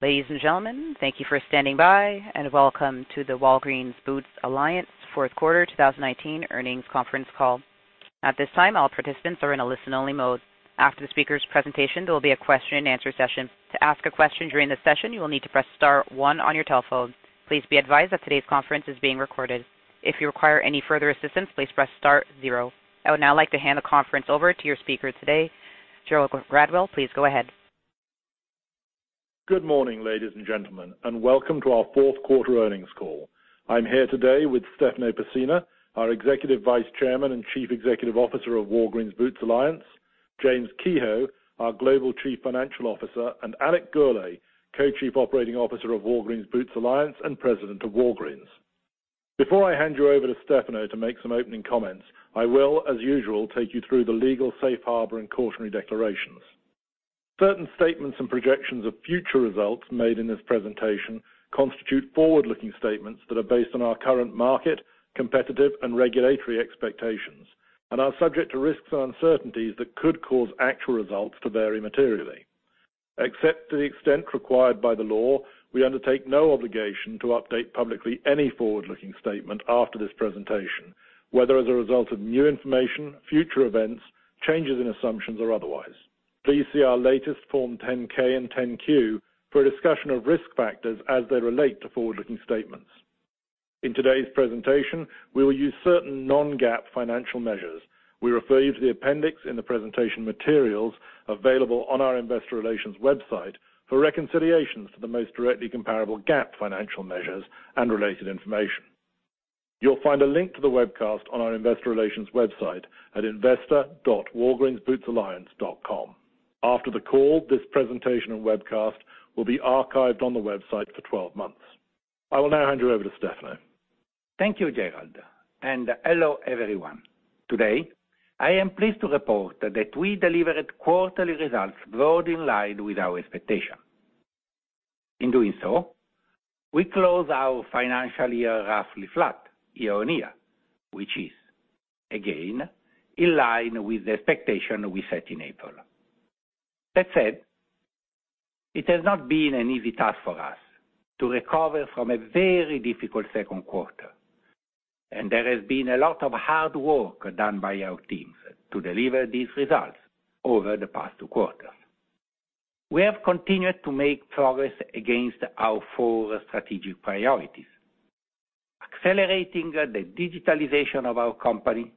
Ladies and gentlemen, thank you for standing by. Welcome to the Walgreens Boots Alliance fourth quarter 2019 earnings conference call. At this time, all participants are in a listen only mode. After the speaker's presentation, there will be a question and answer session. To ask a question during the session, you will need to press star one on your telephone. Please be advised that today's conference is being recorded. If you require any further assistance, please press star zero. I would now like to hand the conference over to your speaker today, Gerald Gradwell. Please go ahead. Good morning, ladies and gentlemen, and welcome to our fourth quarter earnings call. I'm here today with Stefano Pessina, our Executive Vice Chairman and Chief Executive Officer of Walgreens Boots Alliance, James Kehoe, our Global Chief Financial Officer, and Alex Gourlay, Co-chief Operating Officer of Walgreens Boots Alliance and President of Walgreens. Before I hand you over to Stefano to make some opening comments, I will, as usual, take you through the legal safe harbor and cautionary declarations. Certain statements and projections of future results made in this presentation constitute forward-looking statements that are based on our current market, competitive, and regulatory expectations and are subject to risks and uncertainties that could cause actual results to vary materially. Except to the extent required by the law, we undertake no obligation to update publicly any forward-looking statement after this presentation, whether as a result of new information, future events, changes in assumptions, or otherwise. Please see our latest Form 10-K and 10-Q for a discussion of risk factors as they relate to forward-looking statements. In today's presentation, we will use certain non-GAAP financial measures. We refer you to the appendix in the presentation materials available on our investor relations website for reconciliations to the most directly comparable GAAP financial measures and related information. You'll find a link to the webcast on our investor relations website at investor.walgreensbootsalliance.com. After the call, this presentation and webcast will be archived on the website for 12 months. I will now hand you over to Stefano. Thank you, Gerald. Hello, everyone. Today, I am pleased to report that we delivered quarterly results broadly in line with our expectation. In doing so, we close our financial year roughly flat year-on-year, which is, again, in line with the expectation we set in April. That said, it has not been an easy task for us to recover from a very difficult second quarter, and there has been a lot of hard work done by our teams to deliver these results over the past 2 quarters. We have continued to make progress against our 4 strategic priorities, accelerating the digitalization of our company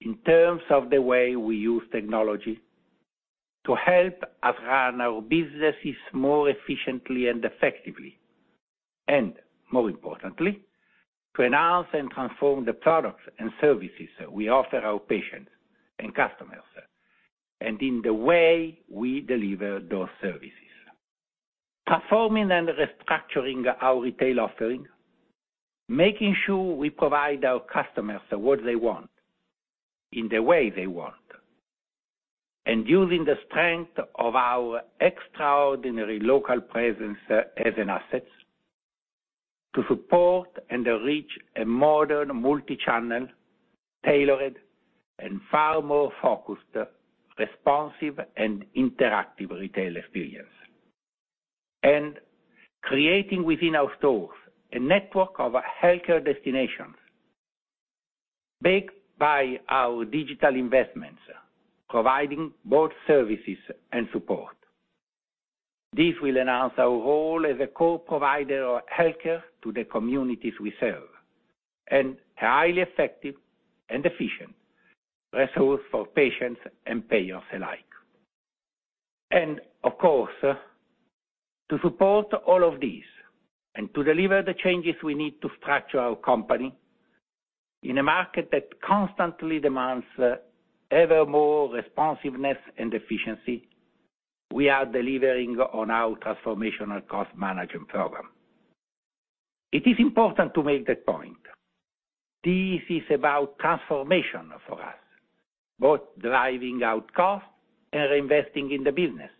in terms of the way we use technology to help us run our businesses more efficiently and effectively, and more importantly, to enhance and transform the products and services we offer our patients and customers, and in the way we deliver those services. Performing and restructuring our retail offering, making sure we provide our customers what they want in the way they want, using the strength of our extraordinary local presence as an asset to support and reach a modern, multi-channel, tailored, and far more focused, responsive, and interactive retail experience. Creating within our stores a network of healthcare destinations backed by our digital investments, providing both services and support. This will enhance our role as a core provider of healthcare to the communities we serve, and highly effective and efficient resource for patients and payers alike. Of course, to support all of this and to deliver the changes we need to structure our company in a market that constantly demands ever more responsiveness and efficiency, we are delivering on our Transformational Cost Management Program. It is important to make that point. This is about transformation for us, both driving out costs and reinvesting in the business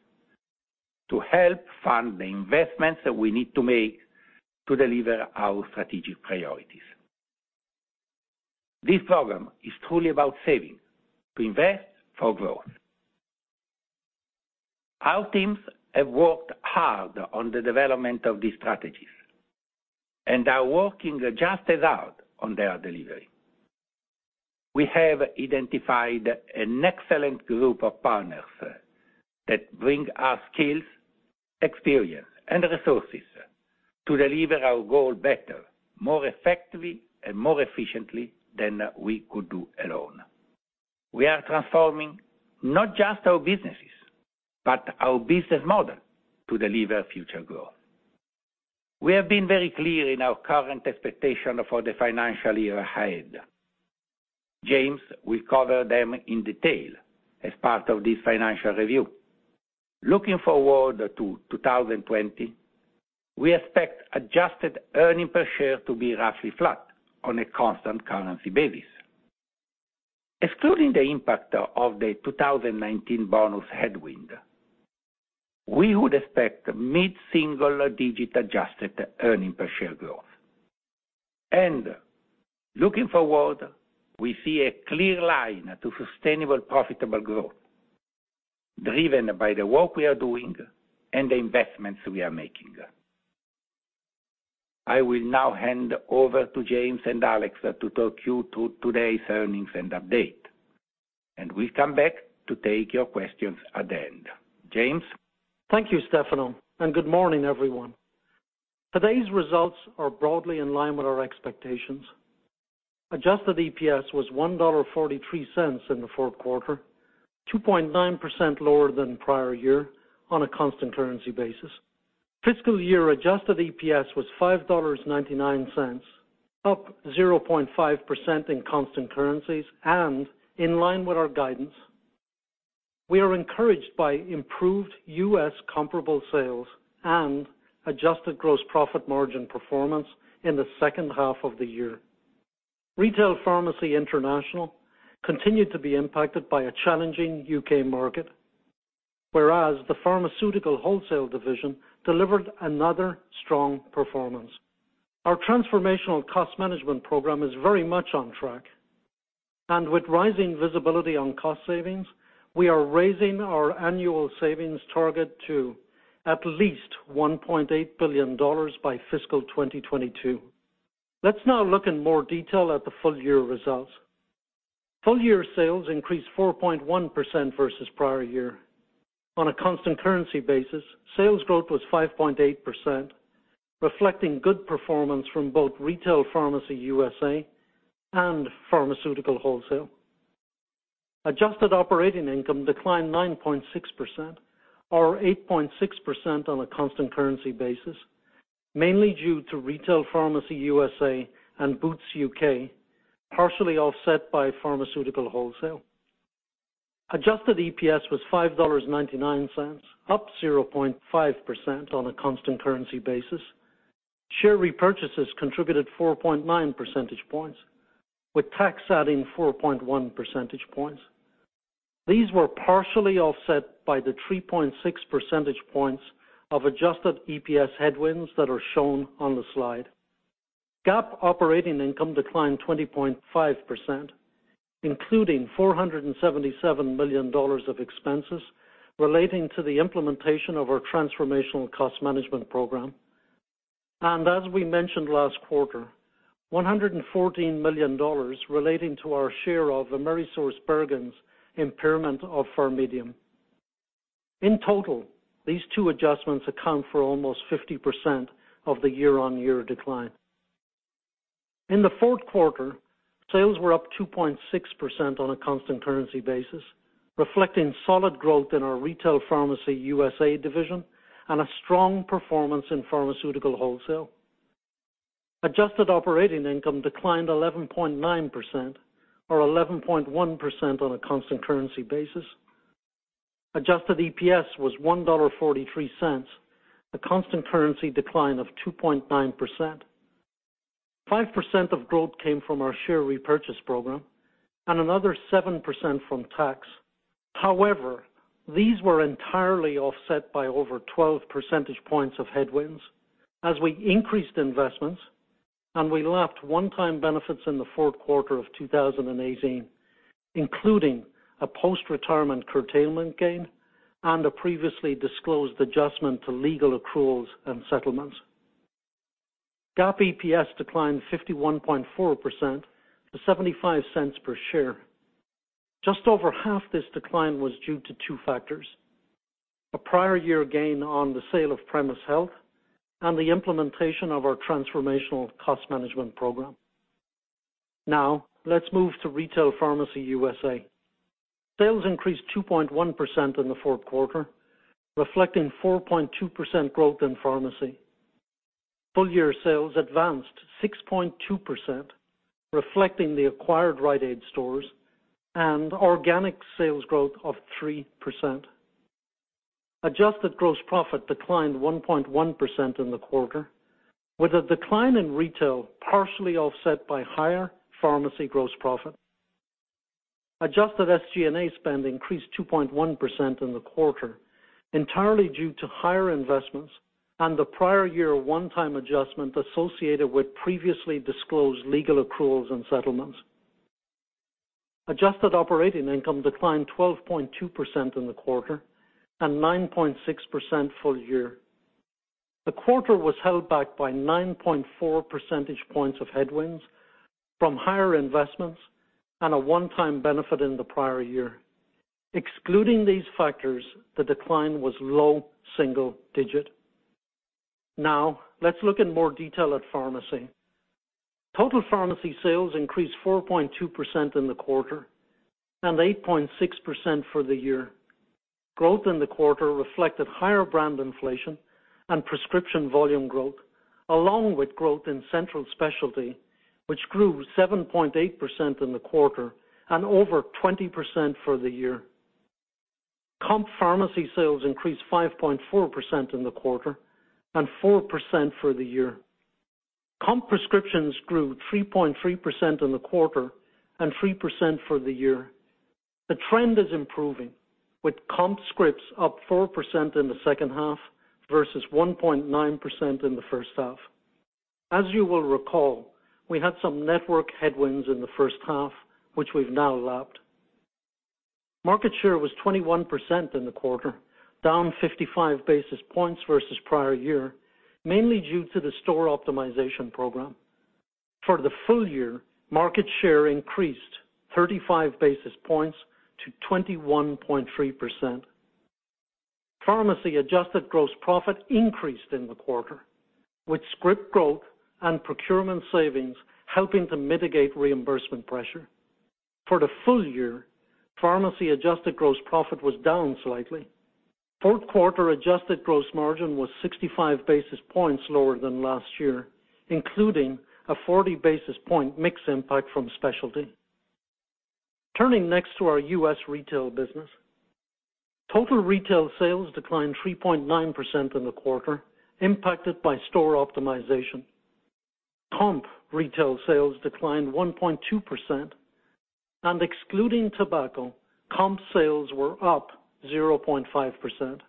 to help fund the investments that we need to make to deliver our strategic priorities. This program is truly about saving to invest for growth. Our teams have worked hard on the development of these strategies and are working just as hard on their delivery. We have identified an excellent group of partners that bring us skills, experience, and resources to deliver our goal better, more effectively, and more efficiently than we could do alone. We are transforming not just our businesses, but our business model to deliver future growth. We have been very clear in our current expectation for the financial year ahead. James will cover them in detail as part of this financial review. Looking forward to 2020, we expect adjusted earnings per share to be roughly flat on a constant currency basis. Excluding the impact of the 2019 bonus headwind, we would expect mid-single digit adjusted earning per share growth. Looking forward, we see a clear line to sustainable profitable growth, driven by the work we are doing and the investments we are making. I will now hand over to James and Alex to talk you through today's earnings and update, and will come back to take your questions at the end. James? Thank you, Stefano, and good morning, everyone. Today's results are broadly in line with our expectations. Adjusted EPS was $1.43 in the fourth quarter, 2.9% lower than prior year on a constant currency basis. Fiscal year adjusted EPS was $5.99, up 0.5% in constant currencies, and in line with our guidance. We are encouraged by improved U.S. comparable sales and adjusted gross profit margin performance in the second half of the year. Retail Pharmacy International continued to be impacted by a challenging U.K. market, whereas the Pharmaceutical Wholesale division delivered another strong performance. Our Transformational Cost Management Program is very much on track. With rising visibility on cost savings, we are raising our annual savings target to at least $1.8 billion by fiscal 2022. Let's now look in more detail at the full-year results. Full-year sales increased 4.1% versus prior year. On a constant currency basis, sales growth was 5.8%, reflecting good performance from both Retail Pharmacy USA and Pharmaceutical Wholesale. Adjusted operating income declined 9.6%, or 8.6% on a constant currency basis, mainly due to Retail Pharmacy USA and Boots UK, partially offset by Pharmaceutical Wholesale. Adjusted EPS was $5.99, up 0.5% on a constant currency basis. Share repurchases contributed 4.9 percentage points, with tax adding 4.1 percentage points. These were partially offset by the 3.6 percentage points of adjusted EPS headwinds that are shown on the slide. GAAP operating income declined 20.5%, including $477 million of expenses relating to the implementation of our Transformational Cost Management Program. As we mentioned last quarter, $114 million relating to our share of AmerisourceBergen's impairment of PharMEDium. In total, these two adjustments account for almost 50% of the year-on-year decline. In the fourth quarter, sales were up 2.6% on a constant currency basis, reflecting solid growth in our Retail Pharmacy USA division and a strong performance in Pharmaceutical Wholesale. Adjusted operating income declined 11.9%, or 11.1% on a constant currency basis. Adjusted EPS was $1.43, a constant currency decline of 2.9%. 5% of growth came from our share repurchase program, and another 7% from tax. However, these were entirely offset by over 12 percentage points of headwinds as we increased investments and we lapped one-time benefits in the fourth quarter of 2018, including a post-retirement curtailment gain and a previously disclosed adjustment to legal accruals and settlements. GAAP EPS declined 51.4% to $0.75 per share. Just over half this decline was due to two factors: a prior year gain on the sale of Premise Health and the implementation of our Transformational Cost Management Program. Let's move to Retail Pharmacy USA. Sales increased 2.1% in the fourth quarter, reflecting 4.2% growth in pharmacy. Full-year sales advanced 6.2%, reflecting the acquired Rite Aid stores and organic sales growth of 3%. Adjusted gross profit declined 1.1% in the quarter, with a decline in retail partially offset by higher pharmacy gross profit. Adjusted SG&A spend increased 2.1% in the quarter, entirely due to higher investments and the prior year one-time adjustment associated with previously disclosed legal accruals and settlements. Adjusted operating income declined 12.2% in the quarter and 9.6% full-year. The quarter was held back by 9.4 percentage points of headwinds from higher investments and a one-time benefit in the prior year. Excluding these factors, the decline was low single digit. Let's look in more detail at pharmacy. Total pharmacy sales increased 4.2% in the quarter and 8.6% for the year. Growth in the quarter reflected higher brand inflation and prescription volume growth, along with growth in Central Specialty, which grew 7.8% in the quarter and over 20% for the year. Comp pharmacy sales increased 5.4% in the quarter and 4% for the year. Comp prescriptions grew 3.3% in the quarter and 3% for the year. The trend is improving, with comp scripts up 4% in the second half versus 1.9% in the first half. As you will recall, we had some network headwinds in the first half, which we've now lapped. Market share was 21% in the quarter, down 55 basis points versus prior year, mainly due to the store optimization program. For the full year, market share increased 35 basis points to 21.3%. Pharmacy adjusted gross profit increased in the quarter, with script growth and procurement savings helping to mitigate reimbursement pressure. For the full year, pharmacy adjusted gross profit was down slightly. Fourth quarter adjusted gross margin was 65 basis points lower than last year, including a 40 basis point mix impact from specialty. Turning next to our U.S. retail business. Total retail sales declined 3.9% in the quarter, impacted by store optimization. Comp retail sales declined 1.2%, and excluding tobacco, comp sales were up 0.5%.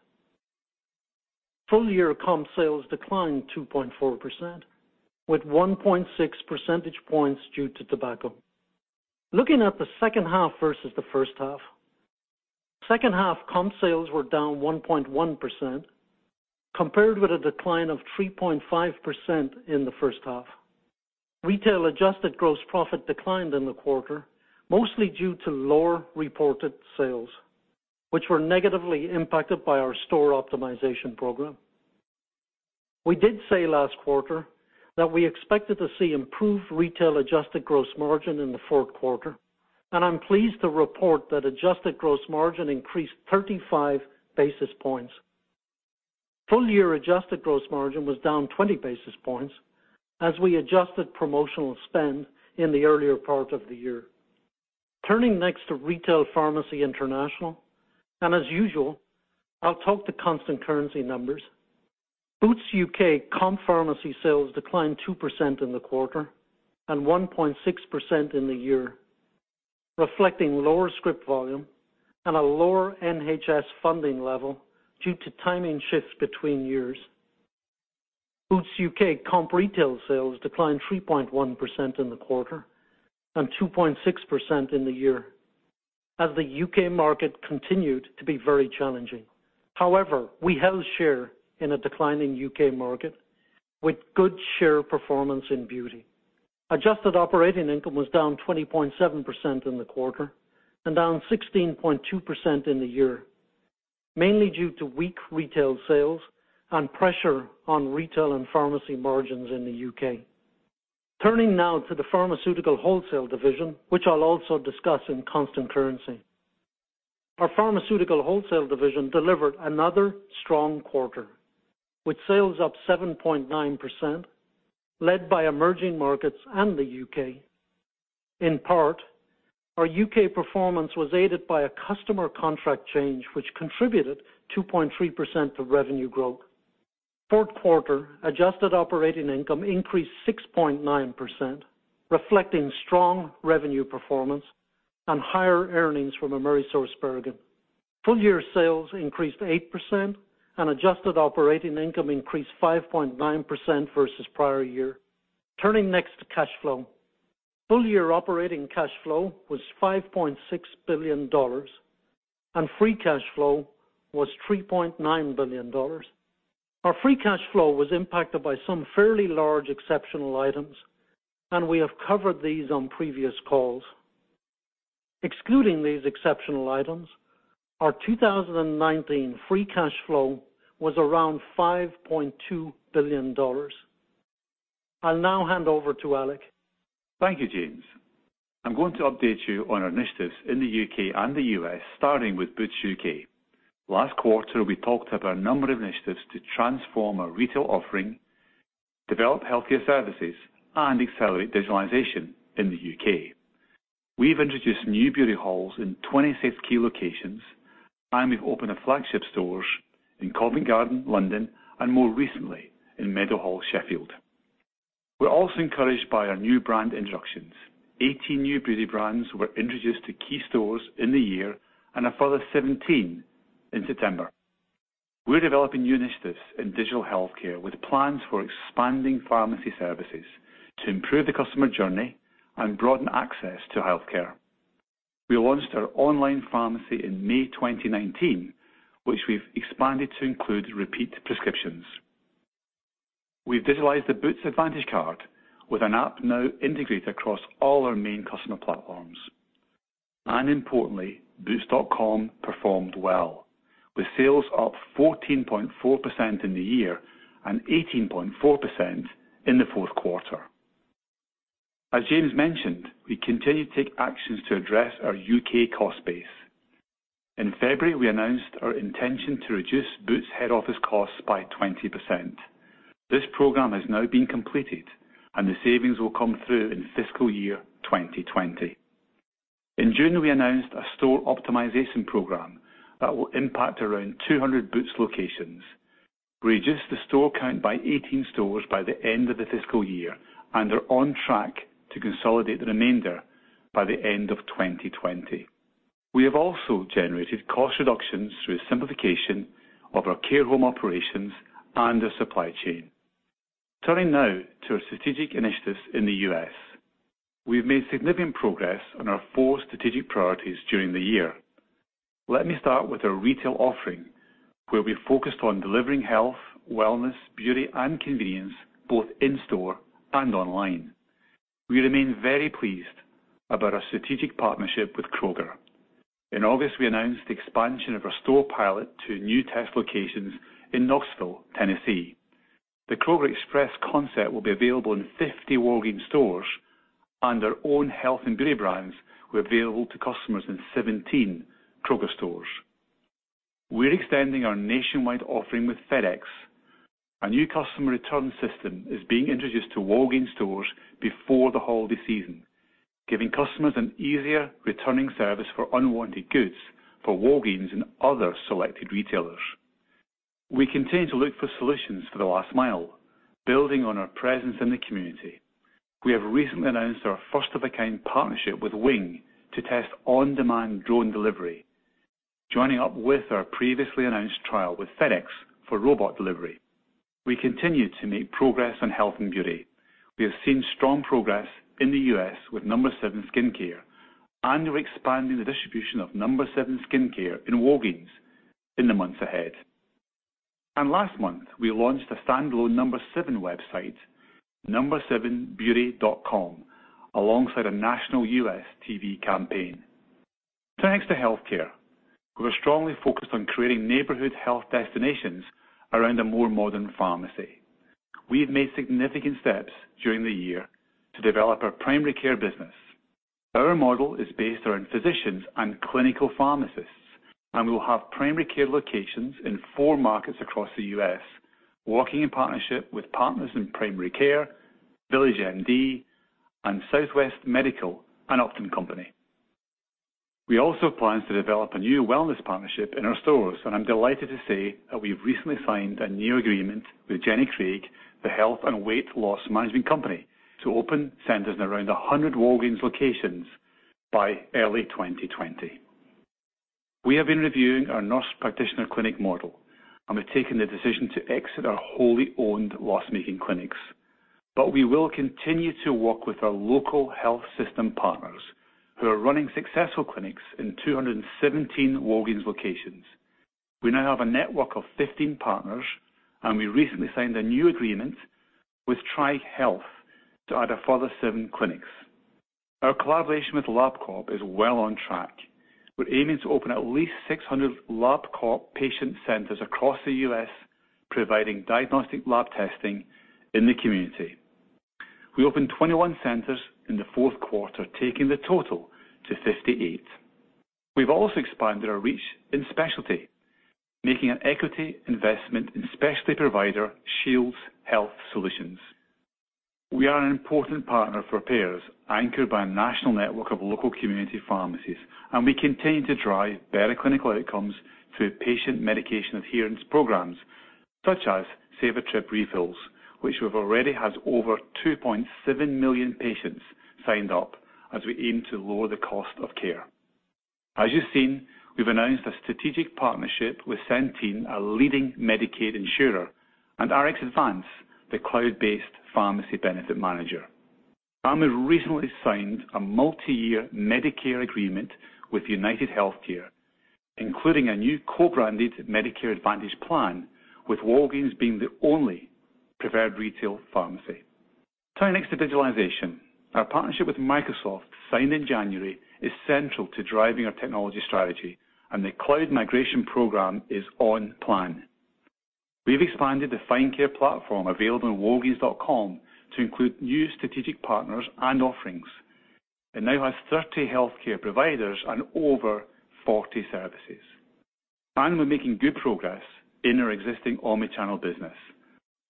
Full-year comp sales declined 2.4%, with 1.6 percentage points due to tobacco. Looking at the second half versus the first half, second half comp sales were down 1.1%, compared with a decline of 3.5% in the first half. Retail adjusted gross profit declined in the quarter, mostly due to lower reported sales, which were negatively impacted by our store optimization program. We did say last quarter that we expected to see improved retail adjusted gross margin in the fourth quarter, and I'm pleased to report that adjusted gross margin increased 35 basis points. Full-year adjusted gross margin was down 20 basis points as we adjusted promotional spend in the earlier part of the year. Turning next to Retail Pharmacy International. As usual, I'll talk to constant currency numbers. Boots UK comp pharmacy sales declined 2% in the quarter and 1.6% in the year, reflecting lower script volume and a lower NHS funding level due to timing shifts between years. Boots UK comp retail sales declined 3.1% in the quarter and 2.6% in the year as the U.K. market continued to be very challenging. However, we held share in a declining U.K. market with good share performance in beauty. Adjusted operating income was down 20.7% in the quarter and down 16.2% in the year, mainly due to weak retail sales and pressure on retail and pharmacy margins in the U.K. Turning now to the Pharmaceutical Wholesale division, which I'll also discuss in constant currency. Our Pharmaceutical Wholesale division delivered another strong quarter with sales up 7.9%, led by emerging markets and the U.K. In part, our U.K. performance was aided by a customer contract change which contributed 2.3% of revenue growth. Fourth quarter adjusted operating income increased 6.9%, reflecting strong revenue performance and higher earnings from AmerisourceBergen. Full-year sales increased 8% and adjusted operating income increased 5.9% versus prior year. Turning next to cash flow. Full-year operating cash flow was $5.6 billion and free cash flow was $3.9 billion. Our free cash flow was impacted by some fairly large exceptional items, and we have covered these on previous calls. Excluding these exceptional items, our 2019 free cash flow was around $5.2 billion. I'll now hand over to Alex. Thank you, James. I'm going to update you on our initiatives in the U.K. and the U.S., starting with Boots UK. Last quarter, we talked about a number of initiatives to transform our retail offering, develop healthcare services, and accelerate digitalization in the U.K. We've introduced new beauty halls in 26 key locations. We've opened our flagship stores in Covent Garden, London, and more recently in Meadowhall, Sheffield. We're also encouraged by our new brand introductions. 18 new beauty brands were introduced to key stores in the year and a further 17 in September. We're developing new initiatives in digital healthcare with plans for expanding pharmacy services to improve the customer journey and broaden access to healthcare. We launched our online pharmacy in May 2019, which we've expanded to include repeat prescriptions. We've digitalized the Boots Advantage Card with an app now integrated across all our main customer platforms. Importantly, boots.com performed well with sales up 14.4% in the year and 18.4% in the fourth quarter. As James mentioned, we continue to take actions to address our U.K. cost base. In February, we announced our intention to reduce Boots head office costs by 20%. This program has now been completed, and the savings will come through in fiscal year 2020. In June, we announced a Store Optimization Program that will impact around 200 Boots locations. We reduced the store count by 18 stores by the end of the fiscal year and are on track to consolidate the remainder by the end of 2020. We have also generated cost reductions through a simplification of our care home operations and our supply chain. Turning now to our strategic initiatives in the U.S. We've made significant progress on our four strategic priorities during the year. Let me start with our retail offering, where we focused on delivering health, wellness, beauty, and convenience, both in store and online. We remain very pleased about our strategic partnership with Kroger. In August, we announced the expansion of our store pilot to new test locations in Knoxville, Tennessee. The Kroger Express concept will be available in 50 Walgreens stores and our own health and beauty brands were available to customers in 17 Kroger stores. We're extending our nationwide offering with FedEx. A new customer return system is being introduced to Walgreens stores before the holiday season, giving customers an easier returning service for unwanted goods for Walgreens and other selected retailers. We continue to look for solutions for the last mile, building on our presence in the community. We have recently announced our first of a kind partnership with Wing to test on-demand drone delivery, joining up with our previously announced trial with FedEx for robot delivery. We continue to make progress on health and beauty. We have seen strong progress in the U.S. with No7 Skincare, and we're expanding the distribution of No7 Skincare in Walgreens in the months ahead. Last month, we launched a standalone No7 website, no7beauty.com, alongside a national U.S. TV campaign. Turning next to healthcare. We were strongly focused on creating neighborhood health destinations around a more modern pharmacy. We have made significant steps during the year to develop our primary care business. Our model is based around physicians and clinical pharmacists, and we'll have primary care locations in four markets across the U.S., working in partnership with Partners in Primary Care, VillageMD, and Southwest Medical, an Optum company. We also have plans to develop a new wellness partnership in our stores. I'm delighted to say that we've recently signed a new agreement with Jenny Craig, the health and weight loss management company, to open centers in around 100 Walgreens locations by early 2020. We have been reviewing our nurse practitioner clinic model. We've taken the decision to exit our wholly owned loss-making clinics. We will continue to work with our local health system partners who are running successful clinics in 217 Walgreens locations. We now have a network of 15 partners. We recently signed a new agreement with TriHealth to add a further seven clinics. Our collaboration with LabCorp is well on track. We're aiming to open at least 600 LabCorp patient centers across the U.S., providing diagnostic lab testing in the community. We opened 21 centers in the fourth quarter, taking the total to 58. We've also expanded our reach in specialty, making an equity investment in specialty provider Shields Health Solutions. We are an important partner for payers, anchored by a national network of local community pharmacies, and we continue to drive better clinical outcomes through patient medication adherence programs such as Save a Trip Refills, which we've already had over 2.7 million patients signed up as we aim to lower the cost of care. As you've seen, we've announced a strategic partnership with Centene, a leading Medicaid insurer, and RxAdvance, the cloud-based pharmacy benefit manager, and we recently signed a multi-year Medicare agreement with UnitedHealthcare, including a new co-branded Medicare Advantage plan, with Walgreens being the only preferred retail pharmacy. Turning next to digitalization. Our partnership with Microsoft, signed in January, is central to driving our technology strategy, and the cloud migration program is on plan. We've expanded the Find Care platform available on walgreens.com to include new strategic partners and offerings. It now has 30 healthcare providers and over 40 services. We're making good progress in our existing omnichannel business.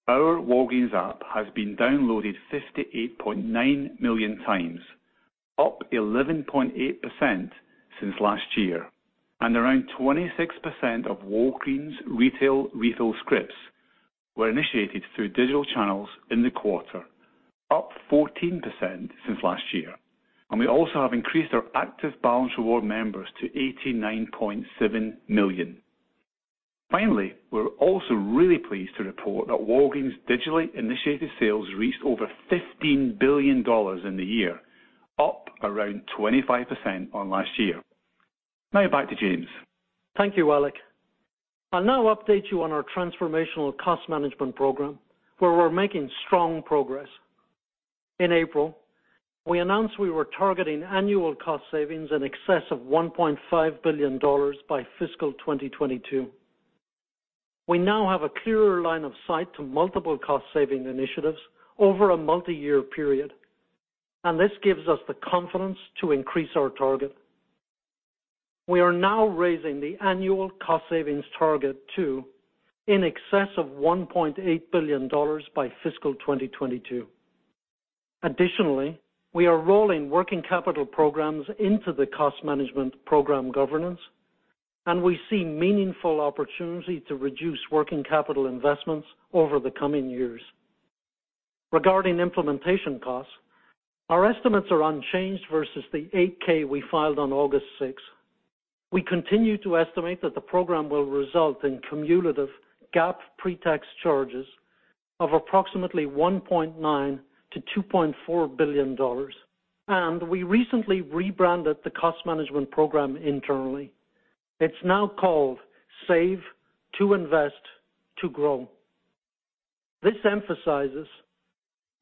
Our Walgreens app has been downloaded 58.9 million times, up 11.8% since last year, and around 26% of Walgreens retail refill scripts were initiated through digital channels in the quarter, up 14% since last year. We also have increased our active Balance Rewards members to 89.7 million. Finally, we're also really pleased to report that Walgreens digitally initiated sales reached over $15 billion in the year, up around 25% on last year. Now back to James. Thank you, Alex. I'll now update you on our Transformational Cost Management Program, where we're making strong progress. In April, we announced we were targeting annual cost savings in excess of $1.5 billion by fiscal 2022. We now have a clearer line of sight to multiple cost-saving initiatives over a multiyear period, and this gives us the confidence to increase our target. We are now raising the annual cost savings target to in excess of $1.8 billion by fiscal 2022. Additionally, we are rolling working capital programs into the Cost Management Program governance, and we see meaningful opportunity to reduce working capital investments over the coming years. Regarding implementation costs, our estimates are unchanged versus the 8-K we filed on August 6. We continue to estimate that the program will result in cumulative GAAP pretax charges of approximately $1.9 billion-$2.4 billion. We recently rebranded the Cost Management Program internally. It's now called Save to Invest to Grow. This emphasizes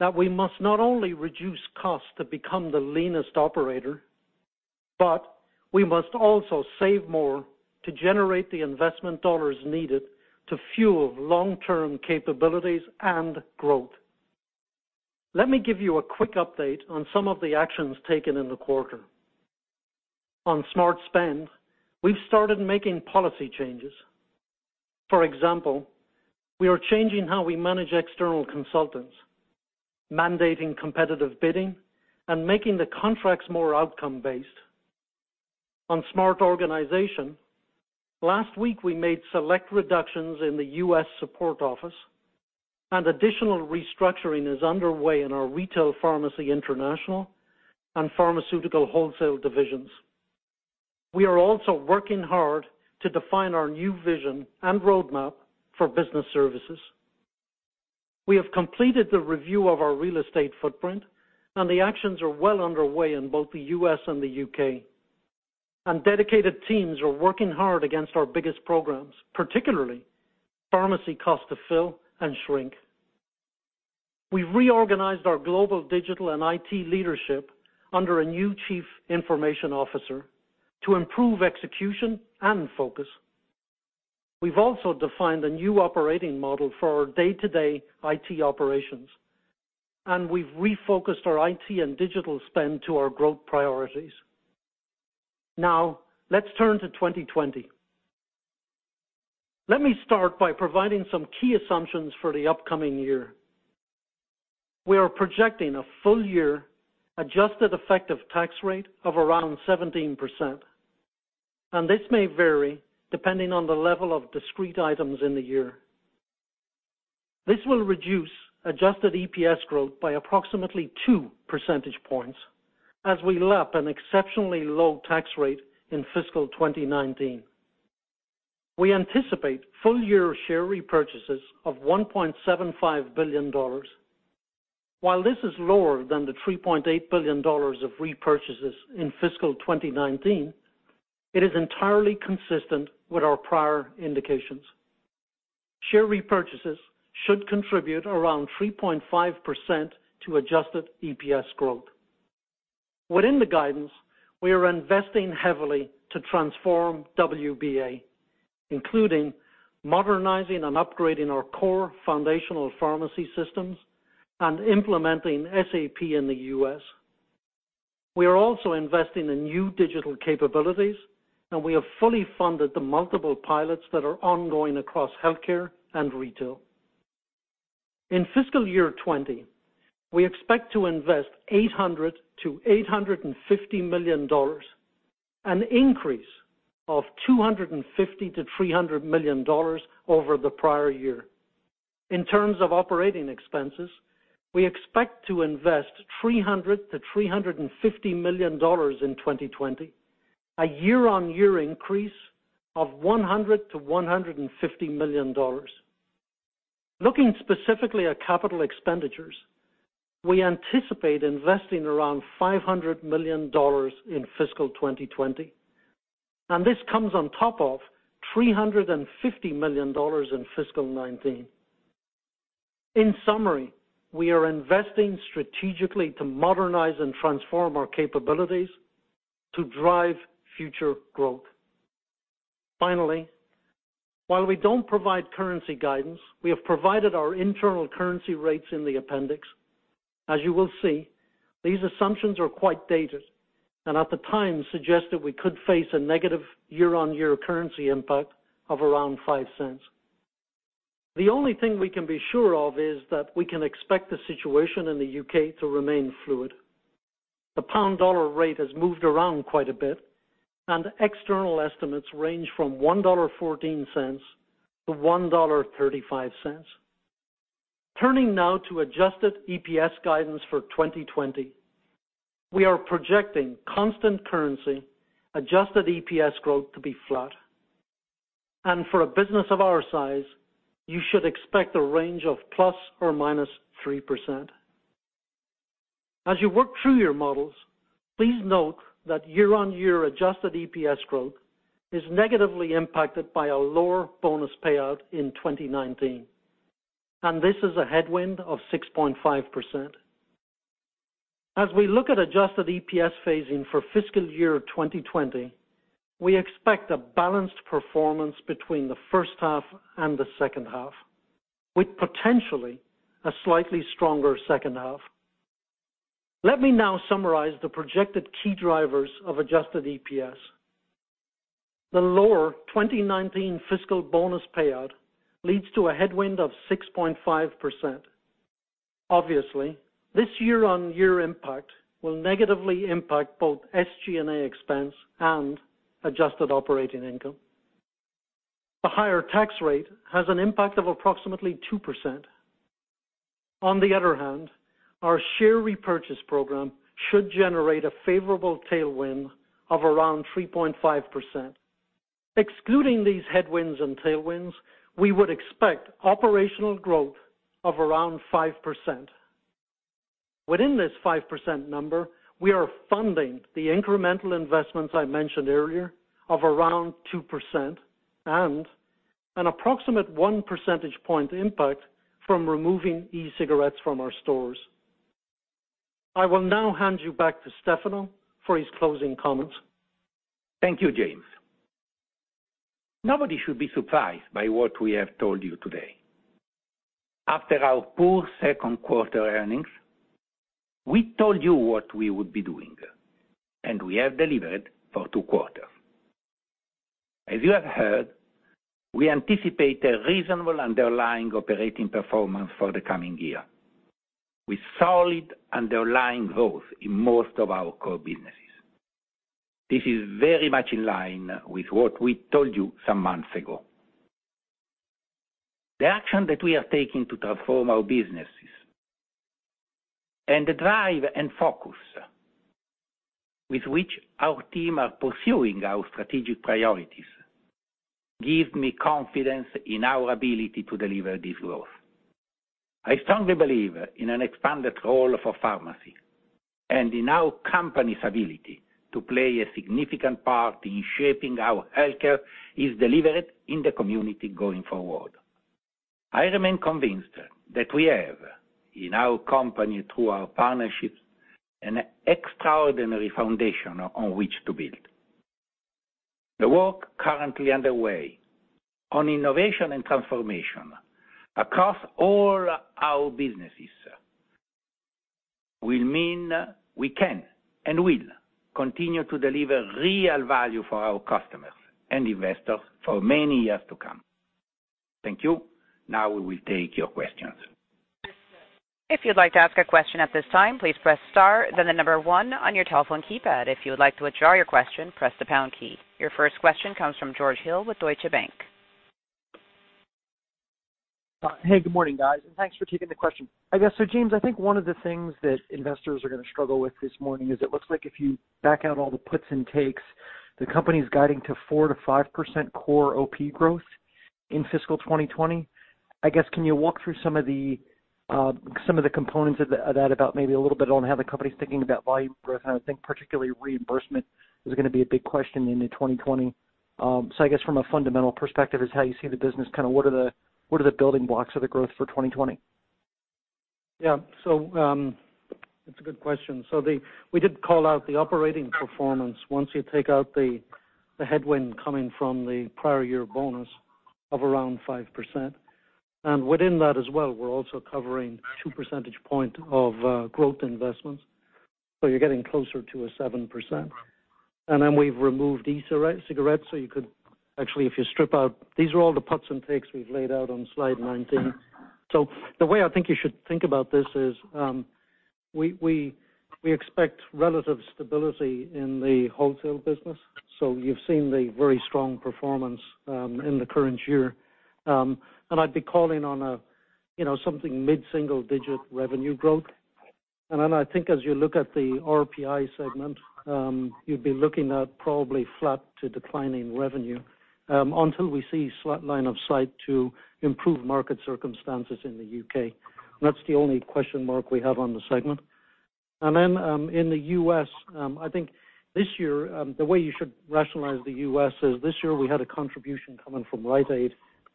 that we must not only reduce costs to become the leanest operator, but we must also save more to generate the investment dollars needed to fuel long-term capabilities and growth. Let me give you a quick update on some of the actions taken in the quarter. On smart spend, we've started making policy changes. For example, we are changing how we manage external consultants, mandating competitive bidding, and making the contracts more outcome-based. On smart organization, last week, we made select reductions in the U.S. support office, and additional restructuring is underway in our Retail Pharmacy International and Pharmaceutical Wholesale divisions. We are also working hard to define our new vision and roadmap for business services. We have completed the review of our real estate footprint, and the actions are well underway in both the U.S. and the U.K. Dedicated teams are working hard against our biggest programs, particularly pharmacy cost to fill and shrink. We've reorganized our global digital and IT leadership under a new Chief Information Officer to improve execution and focus. We've also defined a new operating model for our day-to-day IT operations, and we've refocused our IT and digital spend to our growth priorities. Let's turn to 2020. Let me start by providing some key assumptions for the upcoming year. We are projecting a full-year adjusted effective tax rate of around 17%, and this may vary depending on the level of discrete items in the year. This will reduce adjusted EPS growth by approximately two percentage points as we lap an exceptionally low tax rate in fiscal 2019. We anticipate full-year share repurchases of $1.75 billion. While this is lower than the $3.8 billion of repurchases in fiscal 2019, it is entirely consistent with our prior indications. Share repurchases should contribute around 3.5% to adjusted EPS growth. Within the guidance, we are investing heavily to transform WBA, including modernizing and upgrading our core foundational pharmacy systems and implementing SAP in the U.S. We have fully funded the multiple pilots that are ongoing across healthcare and retail. In fiscal year 2020, we expect to invest $800 million-$850 million, an increase of $250 million-$300 million over the prior year. In terms of operating expenses, we expect to invest $300 million-$350 million in 2020, a year-over-year increase of $100 million-$150 million. Looking specifically at capital expenditures, we anticipate investing around $500 million in fiscal 2020. This comes on top of $350 million in fiscal 2019. In summary, we are investing strategically to modernize and transform our capabilities to drive future growth. Finally, while we don't provide currency guidance, we have provided our internal currency rates in the appendix. As you will see, these assumptions are quite dated and at the time suggested we could face a negative year-on-year currency impact of around $0.05. The only thing we can be sure of is that we can expect the situation in the U.K. to remain fluid. The pound-dollar rate has moved around quite a bit, external estimates range from $1.14 to $1.35. Turning now to adjusted EPS guidance for 2020. We are projecting constant currency adjusted EPS growth to be flat. For a business of our size, you should expect a range of plus or minus 3%. As you work through your models, please note that year-on-year adjusted EPS growth is negatively impacted by a lower bonus payout in 2019. This is a headwind of 6.5%. As we look at adjusted EPS phasing for fiscal year 2020, we expect a balanced performance between the first half and the second half, with potentially a slightly stronger second half. Let me now summarize the projected key drivers of adjusted EPS. The lower 2019 fiscal bonus payout leads to a headwind of 6.5%. Obviously, this year-on-year impact will negatively impact both SG&A expense and adjusted operating income. The higher tax rate has an impact of approximately 2%. On the other hand, our share repurchase program should generate a favorable tailwind of around 3.5%. Excluding these headwinds and tailwinds, we would expect operational growth of around 5%. Within this 5% number, we are funding the incremental investments I mentioned earlier of around 2% and an approximate one percentage point impact from removing e-cigarettes from our stores. I will now hand you back to Stefano for his closing comments. Thank you, James. Nobody should be surprised by what we have told you today. After our poor second quarter earnings, we told you what we would be doing, and we have delivered for two quarters. As you have heard, we anticipate a reasonable underlying operating performance for the coming year, with solid underlying growth in most of our core businesses. This is very much in line with what we told you some months ago. The action that we are taking to transform our businesses and the drive and focus with which our team are pursuing our strategic priorities give me confidence in our ability to deliver this growth. I strongly believe in an expanded role for pharmacy and in our company's ability to play a significant part in shaping how healthcare is delivered in the community going forward. I remain convinced that we have, in our company, through our partnerships, an extraordinary foundation on which to build. The work currently underway on innovation and transformation across all our businesses will mean we can and will continue to deliver real value for our customers and investors for many years to come. Thank you. Now we will take your questions. If you'd like to ask a question at this time, please press star, then the number one on your telephone keypad. If you would like to withdraw your question, press the pound key. Your first question comes from George Hill with Deutsche Bank. Good morning, guys, thanks for taking the question. I guess, James, I think one of the things that investors are going to struggle with this morning is it looks like if you back out all the puts and takes, the company's guiding to 4%-5% core OP growth in fiscal 2020. I guess, can you walk through some of the components of that about maybe a little bit on how the company's thinking about volume growth? I think particularly reimbursement is going to be a big question into 2020. I guess from a fundamental perspective is how you see the business, what are the building blocks of the growth for 2020? Yeah. It's a good question. We did call out the operating performance once you take out the headwind coming from the prior year bonus of around 5%. Within that as well, we're also covering two percentage point of growth investments. You're getting closer to a 7%. We've removed e-cigarettes, actually, if you strip out. These are all the puts and takes we've laid out on slide 19. The way I think you should think about this is, we expect relative stability in the wholesale business. You've seen the very strong performance in the current year. I'd be calling on something mid-single-digit revenue growth. I think as you look at the RPI segment, you'd be looking at probably flat to declining revenue until we see slight line of sight to improve market circumstances in the U.K. That's the only question mark we have on the segment. In the U.S., I think this year, the way you should rationalize the U.S. is this year we had a contribution coming from Rite Aid.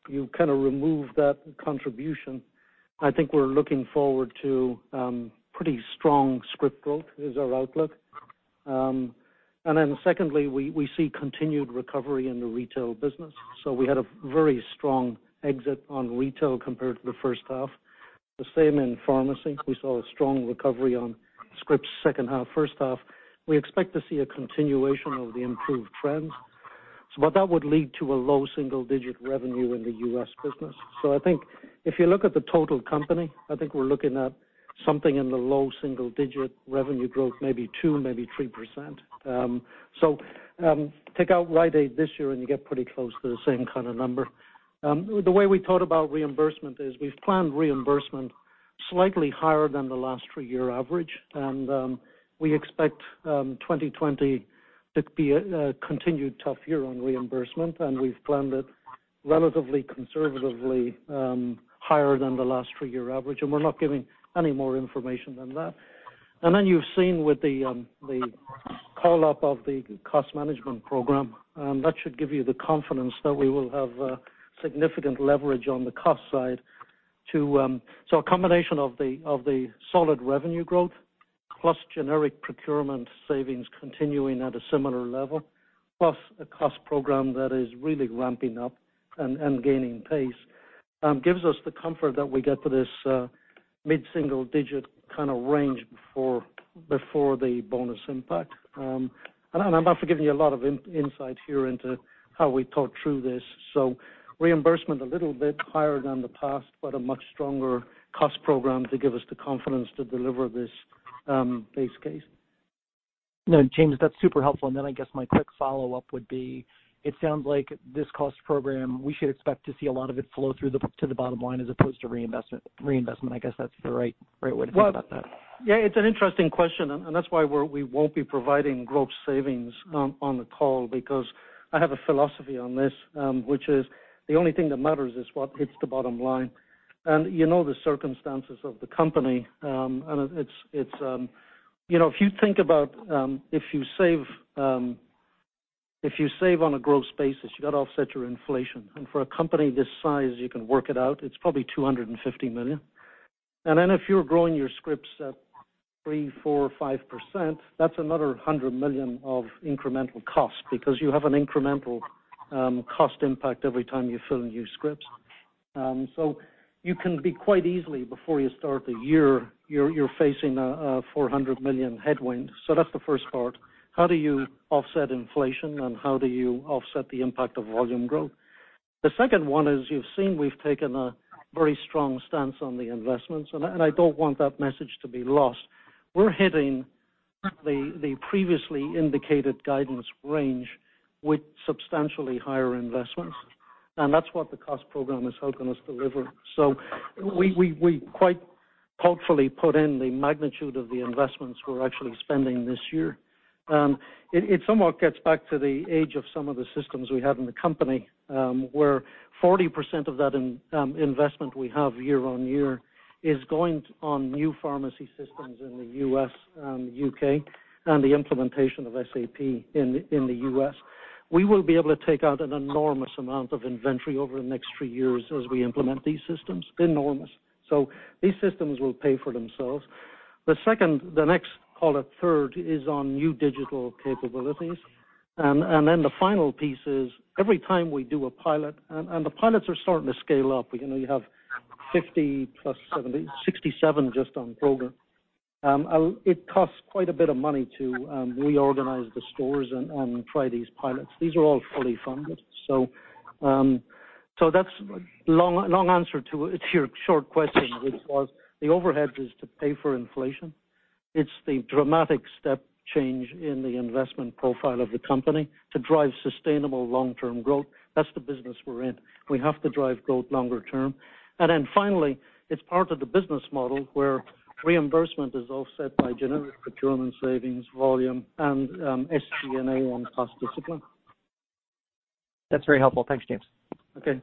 You kind of remove that contribution. I think we're looking forward to pretty strong script growth is our outlook. Secondly, we see continued recovery in the retail business. We had a very strong exit on retail compared to the first half. The same in pharmacy. We saw a strong recovery on scripts second half, first half. We expect to see a continuation of the improved trends. That would lead to a low single-digit revenue in the U.S. business. I think if you look at the total company, I think we're looking at something in the low single-digit revenue growth, maybe 2%, maybe 3%. Take out Rite Aid this year, and you get pretty close to the same kind of number. The way we thought about reimbursement is we've planned reimbursement slightly higher than the last 3-year average. We expect 2020 to be a continued tough year on reimbursement. We've planned it relatively conservatively higher than the last 3-year average. We're not giving any more information than that. Then you've seen with the call-up of the cost management program, that should give you the confidence that we will have significant leverage on the cost side. A combination of the solid revenue growth, plus generic procurement savings continuing at a similar level, plus a cost program that is really ramping up and gaining pace, gives us the comfort that we get to this mid-single digit kind of range before the bonus impact. I'm after giving you a lot of insight here into how we thought through this. Reimbursement a little bit higher than the past, but a much stronger cost program to give us the confidence to deliver this base case. No, James, that's super helpful. I guess my quick follow-up would be, it sounds like this cost program, we should expect to see a lot of it flow through to the bottom line as opposed to reinvestment. I guess that's the right way to think about that. Yeah, it's an interesting question, and that's why we won't be providing gross savings on the call, because I have a philosophy on this, which is the only thing that matters is what hits the bottom line. You know the circumstances of the company. If you think about, if you save on a gross basis, you've got to offset your inflation. For a company this size, you can work it out. It's probably $250 million. Then if you're growing your scripts at 3%, 4%, 5%, that's another $100 million of incremental cost because you have an incremental cost impact every time you fill new scripts. You can be quite easily before you start the year, you're facing a $400 million headwind. That's the first part. How do you offset inflation and how do you offset the impact of volume growth? The second one is, you've seen, we've taken a very strong stance on the investments. I don't want that message to be lost. We're hitting the previously indicated guidance range with substantially higher investments. That's what the cost program is helping us deliver. We quite thoughtfully put in the magnitude of the investments we're actually spending this year. It somewhat gets back to the age of some of the systems we have in the company, where 40% of that investment we have year-on-year is going on new pharmacy systems in the U.S. and U.K., and the implementation of SAP in the U.S. We will be able to take out an enormous amount of inventory over the next three years as we implement these systems. Enormous. These systems will pay for themselves. The second, the next, call it third, is on new digital capabilities. The final piece is every time we do a pilot, and the pilots are starting to scale up. You have 50 plus seven, 67 just on program. It costs quite a bit of money to reorganize the stores and try these pilots. These are all fully funded. That's long answer to your short question, which was the overheads is to pay for inflation. It's the dramatic step change in the investment profile of the company to drive sustainable long-term growth. That's the business we're in. We have to drive growth longer term. Finally, it's part of the business model where reimbursement is offset by generic procurement savings, volume, and SG&A on cost discipline. That's very helpful. Thanks, James. Okay.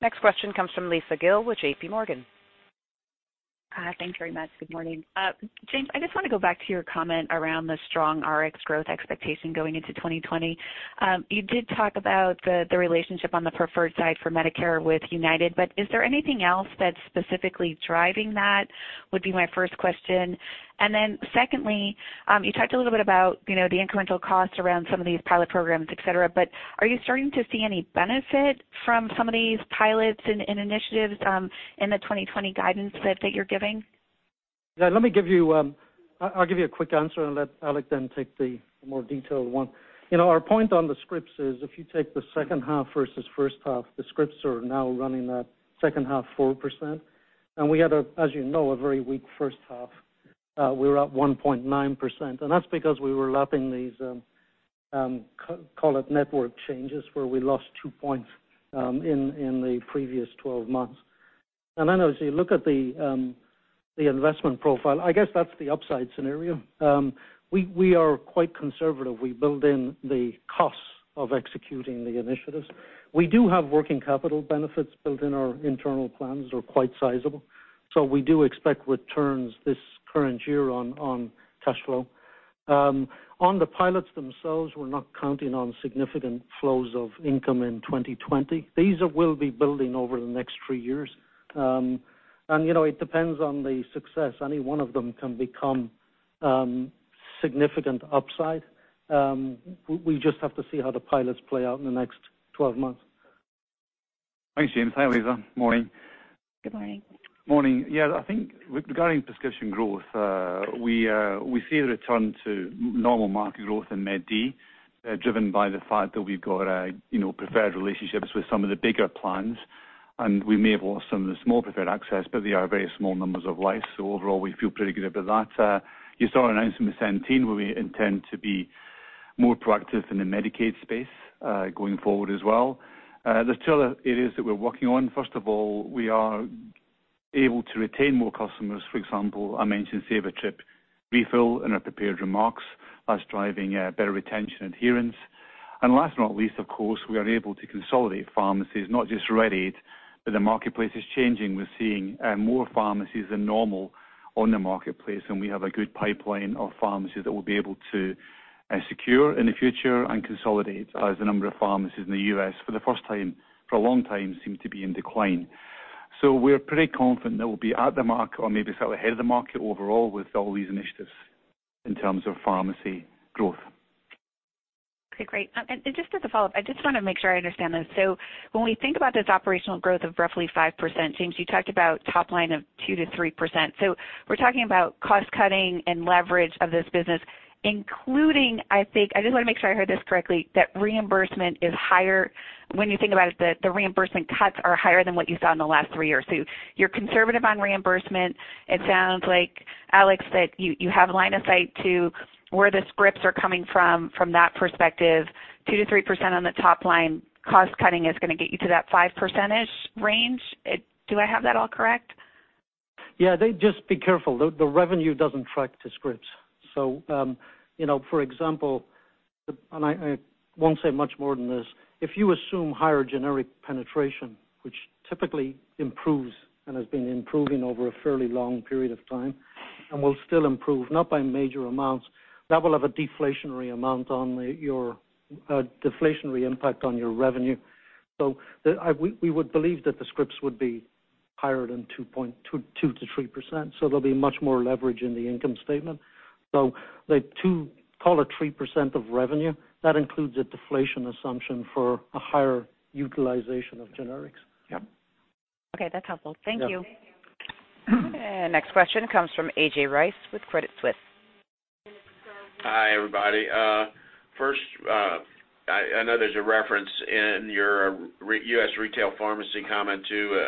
Next question comes from Lisa Gill with JPMorgan. Hi. Thanks very much. Good morning. James, I just want to go back to your comment around the strong RX growth expectation going into 2020. You did talk about the relationship on the preferred side for Medicare with United, but is there anything else that's specifically driving that, would be my first question? Secondly, you talked a little bit about the incremental cost around some of these pilot programs, et cetera, but are you starting to see any benefit from some of these pilots and initiatives in the 2020 guidance that you're giving? Yeah, I'll give you a quick answer. Let Alex Gourlay then take the more detailed one. Our point on the scripts is if you take the second half versus first half, the scripts are now running at second half 4%. We had, as you know, a very weak first half. We were up 1.9%, that's because we were lapping these, call it network changes, where we lost two points in the previous 12 months. As you look at the investment profile, I guess that's the upside scenario. We are quite conservative. We build in the costs of executing the initiatives. We do have working capital benefits built in our internal plans. They're quite sizable. We do expect returns this current year on cash flow. On the pilots themselves, we're not counting on significant flows of income in 2020. These will be building over the next three years. It depends on the success. Any one of them can become significant upside. We just have to see how the pilots play out in the next 12 months. Thanks, James. Hi, Lisa. Morning. Good morning. Morning. Yeah, I think regarding prescription growth, we see a return to normal market growth in Med D, driven by the fact that we've got preferred relationships with some of the bigger plans, and we may have lost some of the small preferred access, but they are very small numbers of life. Overall, we feel pretty good about that. You saw our announcement with Centene, where we intend to be more proactive in the Medicaid space going forward as well. There's two other areas that we're working on. First of all, we are able to retain more customers. For example, I mentioned Save a Trip Refill in our prepared remarks, us driving better retention adherence. Last but not least, of course, we are able to consolidate pharmacies, not just Rite Aid, but the marketplace is changing. We're seeing more pharmacies than normal on the marketplace, and we have a good pipeline of pharmacies that we'll be able to secure in the future and consolidate as the number of pharmacies in the U.S. for the first time, for a long time seem to be in decline. We're pretty confident that we'll be at the mark or maybe slightly ahead of the market overall with all these initiatives in terms of pharmacy growth. Okay, great. Just as a follow-up, I just want to make sure I understand this. When we think about this operational growth of roughly 5%, James, you talked about top line of 2%-3%. We're talking about cost-cutting and leverage of this business, including, I think I just want to make sure I heard this correctly, that reimbursement is higher. When you think about it, the reimbursement cuts are higher than what you saw in the last three years. You're conservative on reimbursement. It sounds like, Alex, that you have line of sight to where the scripts are coming from that perspective, 2%-3% on the top line cost-cutting is going to get you to that 5% range. Do I have that all correct? Yeah. Just be careful. The revenue doesn't track to scripts. For example, and I won't say much more than this, if you assume higher generic penetration, which typically improves and has been improving over a fairly long period of time and will still improve, not by major amounts, that will have a deflationary impact on your revenue. We would believe that the scripts would be higher than 2%-3%, so there'll be much more leverage in the income statement. The 2%, call it 3% of revenue, that includes a deflation assumption for a higher utilization of generics. Okay. That's helpful. Thank you. Yeah. Next question comes from A.J. Rice with Credit Suisse. Hi, everybody. First, I know there's a reference in your Retail Pharmacy U.S. comment to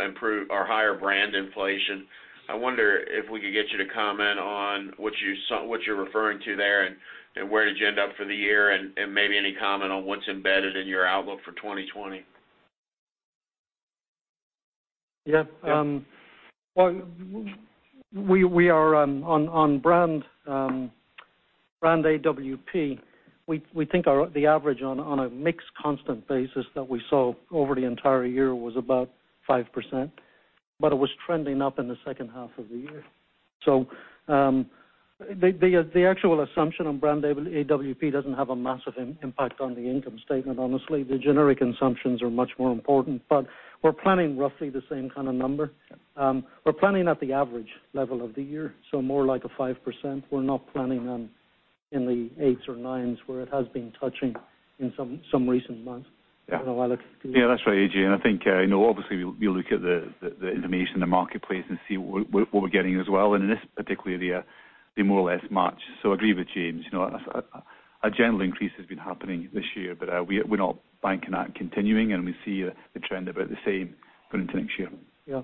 higher brand inflation. I wonder if we could get you to comment on what you're referring to there, and where did you end up for the year, and maybe any comment on what's embedded in your outlook for 2020. Yeah. On brand AWP, we think the average on a mixed constant basis that we saw over the entire year was about 5%, but it was trending up in the second half of the year. The actual assumption on brand AWP doesn't have a massive impact on the income statement, honestly. The generic assumptions are much more important, but we're planning roughly the same kind of number. We're planning at the average level of the year, so more like a 5%. We're not planning on in the eights or nines where it has been touching in some recent months. I don't know, Alex. Yeah. That's right, A.J. I think, obviously, we look at the information in the marketplace and see what we're getting as well. In this particular area, they more or less match. Agree with James. A general increase has been happening this year, but we're not banking on it continuing, and we see the trend about the same going into next year. Yeah.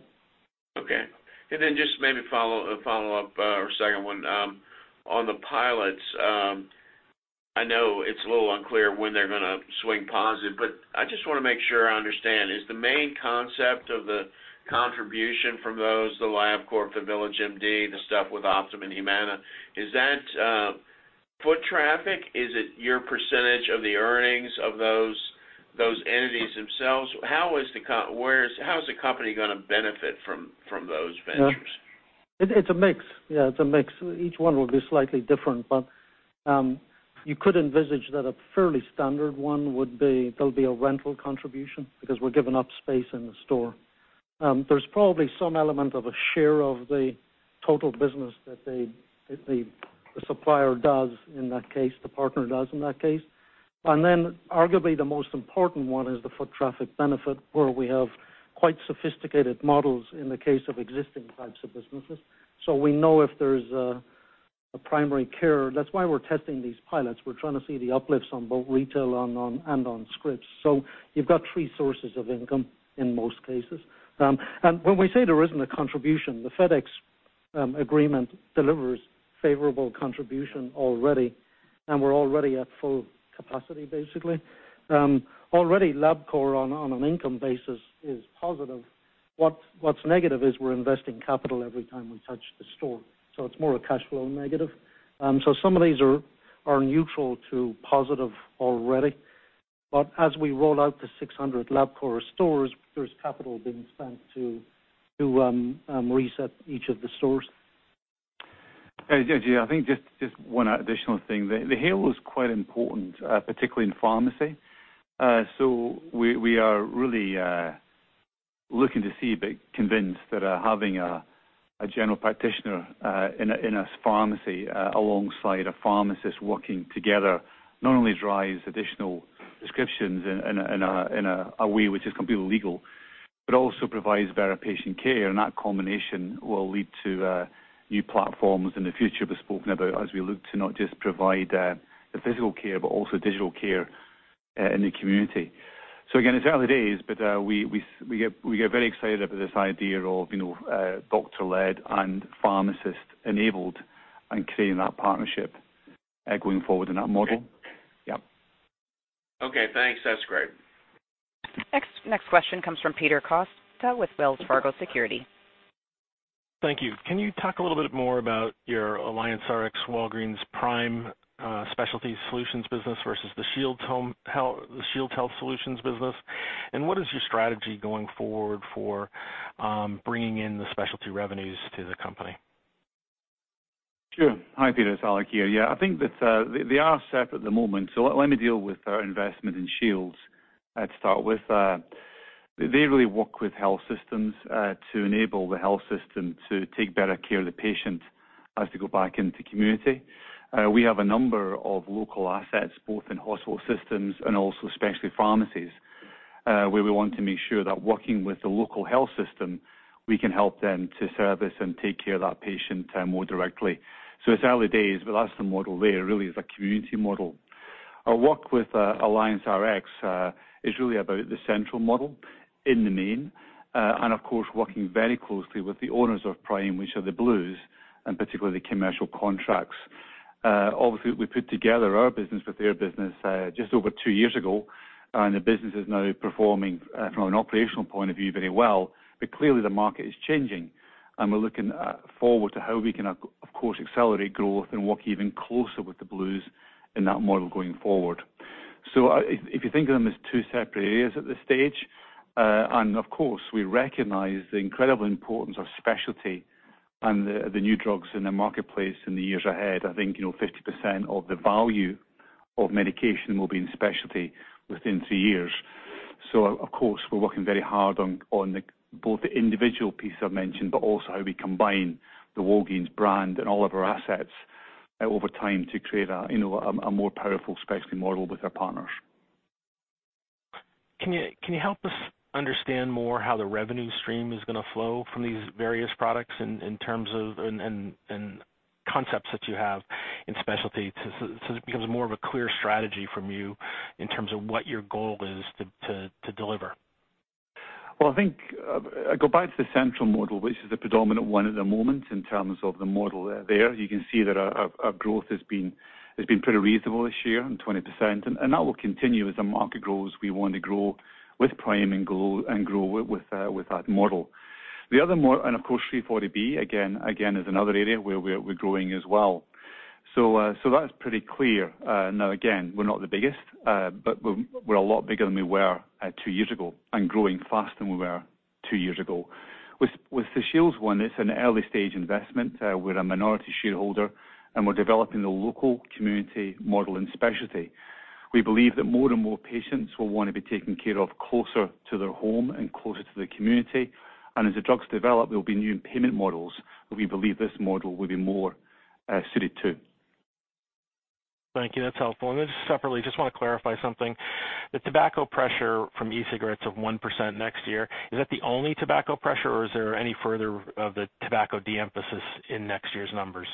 Okay. Just maybe a follow-up or second one. On the pilots, I know it's a little unclear when they're going to swing positive, I just want to make sure I understand. Is the main concept of the contribution from those, the LabCorp, the VillageMD, the stuff with Optum and Humana, is that foot traffic? Is it your percentage of the earnings of those entities themselves? How is the company going to benefit from those ventures? It's a mix. Yeah, it's a mix. Each one will be slightly different, but you could envisage that a fairly standard one would be there'll be a rental contribution because we're giving up space in the store. There's probably some element of a share of the total business that the supplier does in that case, the partner does in that case. Arguably the most important one is the foot traffic benefit, where we have quite sophisticated models in the case of existing types of businesses. We know if there's a primary care. That's why we're testing these pilots. We're trying to see the uplifts on both retail and on scripts. You've got three sources of income in most cases. When we say there isn't a contribution, the FedEx agreement delivers favorable contribution already, and we're already at full capacity, basically. Already LabCorp, on an income basis, is positive. What's negative is we're investing capital every time we touch the store, so it's more a cash flow negative. Some of these are neutral to positive already. As we roll out the 600 LabCorp stores, there's capital being spent to reset each of the stores. A.J., I think just one additional thing. The halo is quite important, particularly in pharmacy. We are really looking to see, but convinced that having a general practitioner in a pharmacy alongside a pharmacist working together not only drives additional prescriptions in a way which is completely legal, but also provides better patient care. That combination will lead to new platforms in the future we've spoken about as we look to not just provide the physical care, but also digital care in the community. Again, it's early days, but we get very excited about this idea of doctor-led and pharmacist-enabled and creating that partnership going forward in that model. Okay. Yep. Okay, thanks. That's great. Next question comes from Peter Costa with Wells Fargo Securities. Thank you. Can you talk a little bit more about your AllianceRx Walgreens Prime specialty solutions business versus the Shields Health Solutions business, and what is your strategy going forward for bringing in the specialty revenues to the company? Sure. Hi, Peter, it's Alex here. I think that they are separate at the moment. Let me deal with our investment in Shields to start with. They really work with health systems to enable the health system to take better care of the patient as they go back into community. We have a number of local assets, both in hospital systems and also specialty pharmacies, where we want to make sure that working with the local health system, we can help them to service and take care of that patient more directly. It's early days, but that's the model there, really is a community model. Our work with AllianceRx is really about the central model in the main, of course, working very closely with the owners of Prime, which are the Blues, and particularly the commercial contracts. Obviously, we put together our business with their business just over two years ago, and the business is now performing, from an operational point of view, very well. Clearly, the market is changing, and we're looking forward to how we can, of course, accelerate growth and work even closer with the Blues in that model going forward. If you think of them as two separate areas at this stage, and of course, we recognize the incredible importance of specialty and the new drugs in the marketplace in the years ahead. I think 50% of the value of medication will be in specialty within three years. Of course, we're working very hard on both the individual pieces I've mentioned, but also how we combine the Walgreens brand and all of our assets over time to create a more powerful specialty model with our partners. Can you help us understand more how the revenue stream is going to flow from these various products in terms of concepts that you have in specialty so it becomes more of a clear strategy from you in terms of what your goal is to deliver? Well, I think, I go back to the central model, which is the predominant one at the moment in terms of the model there. You can see that our growth has been pretty reasonable this year, 20%, and that will continue as the market grows. We want to grow with Prime and grow with that model. Of course, 340B, again, is another area where we're growing as well. That's pretty clear. Again, we're not the biggest, but we're a lot bigger than we were two years ago and growing faster than we were two years ago. With the Shields one, it's an early-stage investment. We're a minority shareholder, and we're developing the local community model in specialty. We believe that more and more patients will want to be taken care of closer to their home and closer to the community. As the drugs develop, there will be new payment models that we believe this model will be more suited to. Thank you. That's helpful. Just separately, just want to clarify something. The tobacco pressure from e-cigarettes of 1% next year, is that the only tobacco pressure, or is there any further of the tobacco de-emphasis in next year's numbers?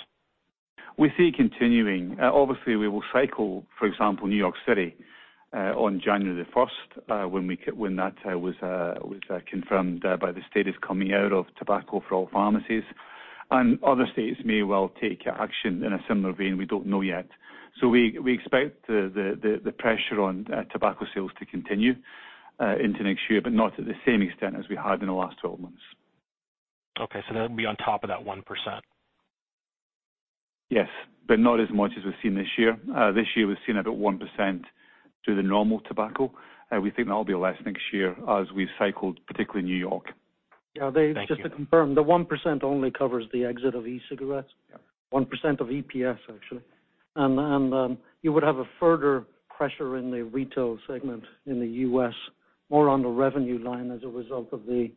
We see it continuing. Obviously, we will cycle, for example, New York City on January 1st, when that was confirmed by the state as coming out of tobacco for all pharmacies. Other states may well take action in a similar vein, we don't know yet. We expect the pressure on tobacco sales to continue into next year, but not to the same extent as we had in the last 12 months. Okay. That'll be on top of that 1%? Yes, not as much as we've seen this year. This year, we've seen about 1% to the normal tobacco. We think that'll be less next year as we've cycled, particularly New York. Thank you. Yeah. Dave, just to confirm, the 1% only covers the exit of e-cigarettes. Yeah. 1% of EPS, actually. You would have a further pressure in the retail segment in the U.S. more on the revenue line as a result of the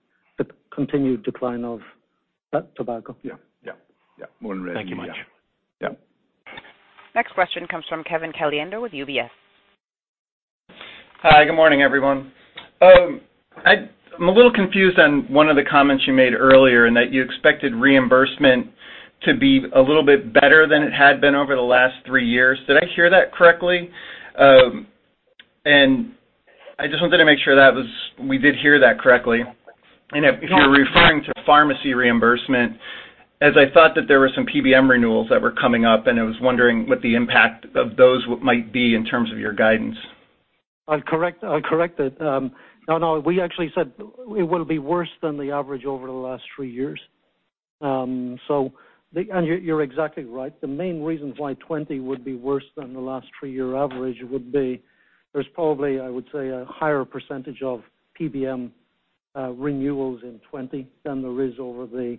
continued decline of that tobacco. Yeah. More on revenue. Thank you much. Yeah. Next question comes from Kevin Caliendo with UBS. Hi, good morning, everyone. I'm a little confused on one of the comments you made earlier, that you expected reimbursement to be a little bit better than it had been over the last three years. Did I hear that correctly? I just wanted to make sure we did hear that correctly. If you're referring to pharmacy reimbursement, as I thought that there were some PBM renewals that were coming up, and I was wondering what the impact of those might be in terms of your guidance. I'll correct it. No, we actually said it will be worse than the average over the last three years. You're exactly right. The main reasons why 2020 would be worse than the last three-year average would be, there's probably, I would say, a higher percentage of PBM renewals in 2020 than there is over the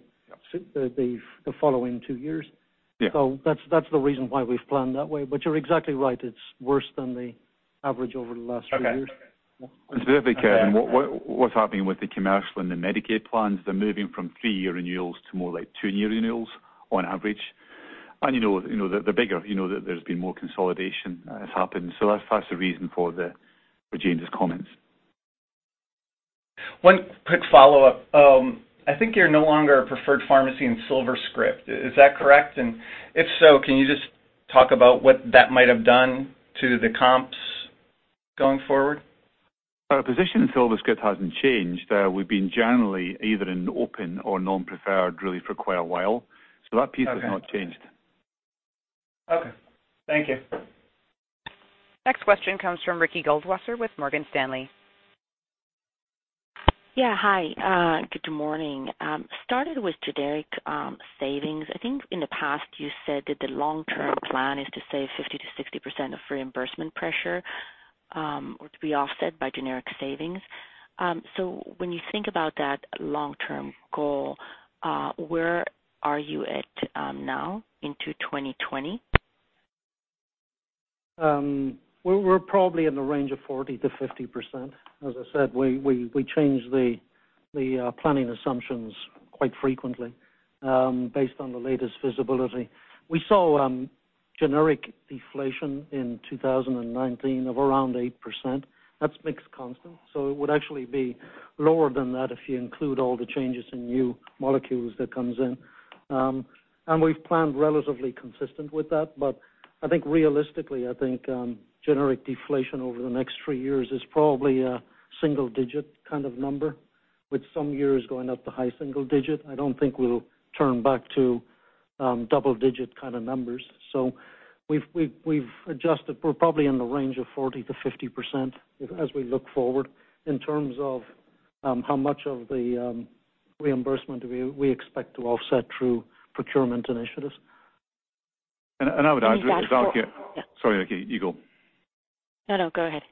following two years. Yeah. That's the reason why we've planned that way. You're exactly right. It's worse than the average over the last three years. Okay. To be fair, Kevin, what's happening with the commercial and the Medicaid plans, they're moving from 3-year renewals to more like 2-year renewals on average. They're bigger. There's been more consolidation has happened. That's the reason for James' comments. One quick follow-up. I think you're no longer a preferred pharmacy in SilverScript. Is that correct? If so, can you just talk about what that might have done to the comps going forward? Our position in SilverScript hasn't changed. We've been generally either in open or non-preferred really for quite a while, that piece has not changed. Okay. Thank you. Next question comes from Ricky Goldwasser with Morgan Stanley. Yeah, hi. Good morning. Starting with generic savings, I think in the past you said that the long-term plan is to save 50%-60% of reimbursement pressure or to be offset by generic savings. When you think about that long-term goal, where are you at now into 2020? We're probably in the range of 40%-50%. As I said, we change the planning assumptions quite frequently based on the latest visibility. We saw generic deflation in 2019 of around 8%. That's mixed constant, so it would actually be lower than that if you include all the changes in new molecules that comes in. We've planned relatively consistent with that. I think realistically, I think generic deflation over the next three years is probably a single-digit kind of number, with some years going up to high single digit. I don't think we'll turn back to double-digit kind of numbers. We've adjusted. We're probably in the range of 40%-50% as we look forward in terms of how much of the reimbursement we expect to offset through procurement initiatives. I would add, as Alex-- Dash, Yeah. Sorry, Ricky, you go. No, no, go ahead.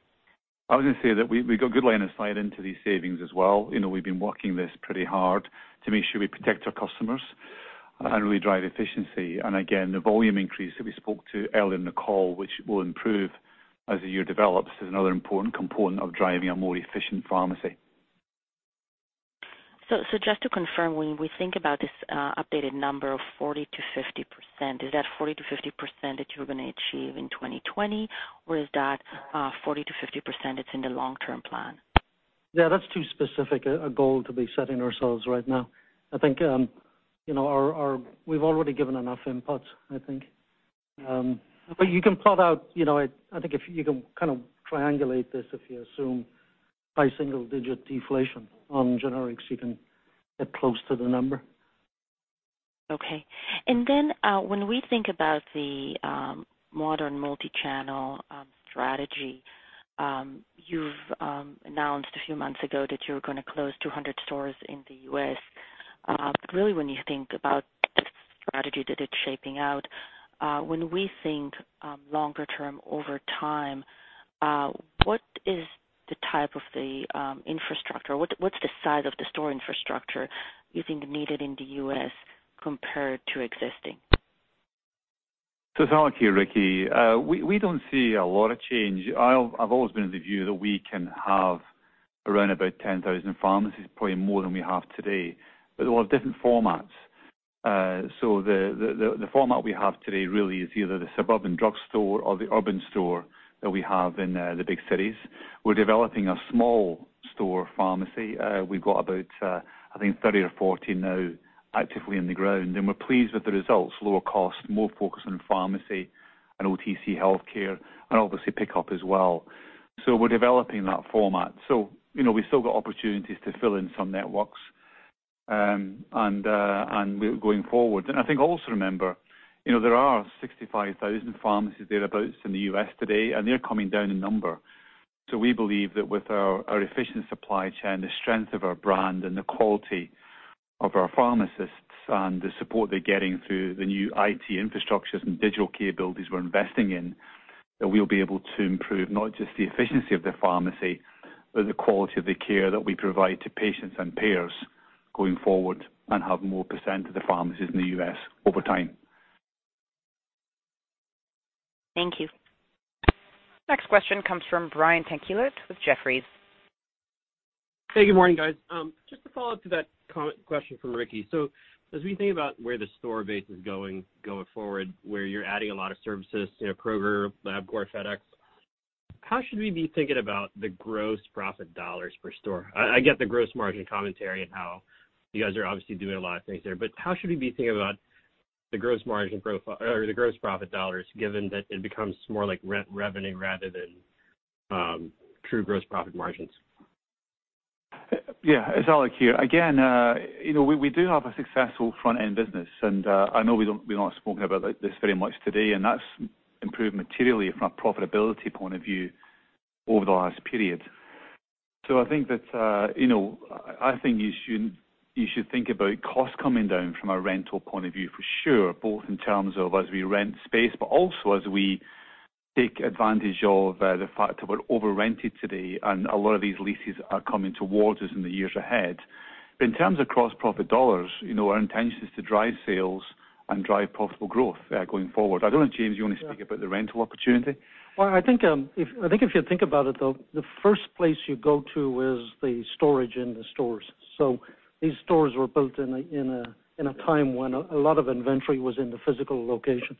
I was going to say that we got good line of sight into these savings as well. We've been working this pretty hard to make sure we protect our customers and really drive efficiency. Again, the volume increase that we spoke to earlier in the call, which will improve as the year develops, is another important component of driving a more efficient pharmacy. Just to confirm, when we think about this updated number of 40%-50%, is that 40%-50% that you're going to achieve in 2020, or is that 40%-50% it's in the long-term plan? Yeah, that's too specific a goal to be setting ourselves right now. I think we've already given enough input. You can plot out, I think if you can kind of triangulate this, if you assume high single-digit deflation on generics, you can get close to the number. Okay. When we think about the modern multi-channel strategy, you've announced a few months ago that you were going to close 200 stores in the U.S. Really, when you think about the strategy that it's shaping out, when we think longer term over time, what is the type of the infrastructure? What's the size of the store infrastructure you think needed in the U.S. compared to existing? It's Alex here, Ricky. We don't see a lot of change. I've always been of the view that we can have around about 10,000 pharmacies, probably more than we have today, but they're all different formats. The format we have today really is either the suburban drugstore or the urban store that we have in the big cities. We're developing a small store pharmacy. We've got about, I think 30 or 40 now actively in the ground, and we're pleased with the results. Lower cost, more focus on pharmacy and OTC healthcare, and obviously pickup as well. We're developing that format. We've still got opportunities to fill in some networks, and we're going forward. I think also remember, there are 65,000 pharmacies thereabouts in the U.S. today, and they're coming down in number. We believe that with our efficient supply chain, the strength of our brand, and the quality of our pharmacists and the support they're getting through the new IT infrastructures and digital capabilities we're investing in, that we'll be able to improve not just the efficiency of the pharmacy, but the quality of the care that we provide to patients and payers going forward and have more % of the pharmacies in the U.S. over time. Thank you. Next question comes from Brian Tanquilut with Jefferies. Hey, good morning, guys. Just to follow up to that question from Ricky. As we think about where the store base is going forward, where you're adding a lot of services, Kroger, LabCorp, FedEx, how should we be thinking about the gross profit dollars per store? I get the gross margin commentary and how you guys are obviously doing a lot of things there, how should we be thinking about the gross margin growth or the gross profit dollars, given that it becomes more like rent revenue rather than true gross profit margins? It's Alex here. We do have a successful front-end business, and I know we've not spoken about this very much today, and that's improved materially from a profitability point of view over the last period. I think you should think about cost coming down from a rental point of view for sure, both in terms of as we rent space, but also as we take advantage of the fact that we're over-rented today and a lot of these leases are coming towards us in the years ahead. In terms of gross profit dollars, our intention is to drive sales and drive profitable growth going forward. I don't know, James, you want to speak about the rental opportunity? Well, I think if you think about it, though, the first place you go to is the storage in the stores. These stores were built in a time when a lot of inventory was in the physical location.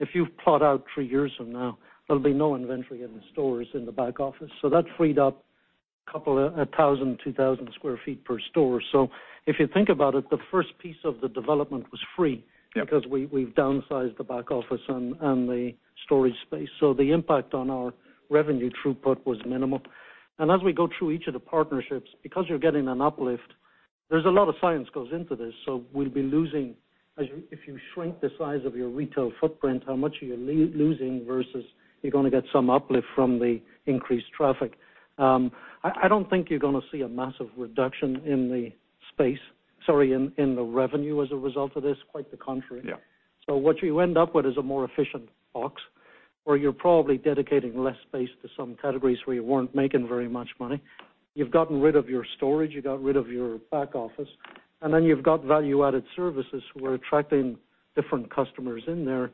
If you plot out three years from now, there'll be no inventory in the stores in the back office. That freed up a couple of 1,000, 2,000 square feet per store. If you think about it, the first piece of the development was free. Yeah We've downsized the back office and the storage space. The impact on our revenue throughput was minimal. As we go through each of the partnerships, because you're getting an uplift, there's a lot of science goes into this. We'll be losing, if you shrink the size of your retail footprint, how much are you losing versus you're going to get some uplift from the increased traffic. I don't think you're going to see a massive reduction in the revenue as a result of this, quite the contrary. Yeah. What you end up with is a more efficient box, where you're probably dedicating less space to some categories where you weren't making very much money. You've gotten rid of your storage, you got rid of your back office. You've got value-added services who are attracting different customers in there.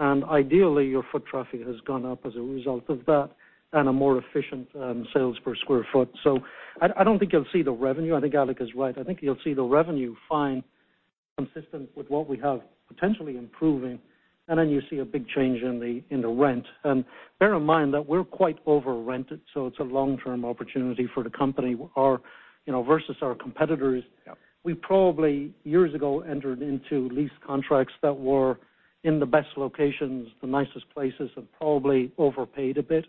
Ideally, your foot traffic has gone up as a result of that and a more efficient sales per square foot. I don't think you'll see the revenue. I think Alex is right. I think you'll see the revenue fine, consistent with what we have, potentially improving, you see a big change in the rent. Bear in mind that we're quite over-rented, so it's a long-term opportunity for the company versus our competitors. Yeah. We probably, years ago, entered into lease contracts that were in the best locations, the nicest places, and probably overpaid a bit.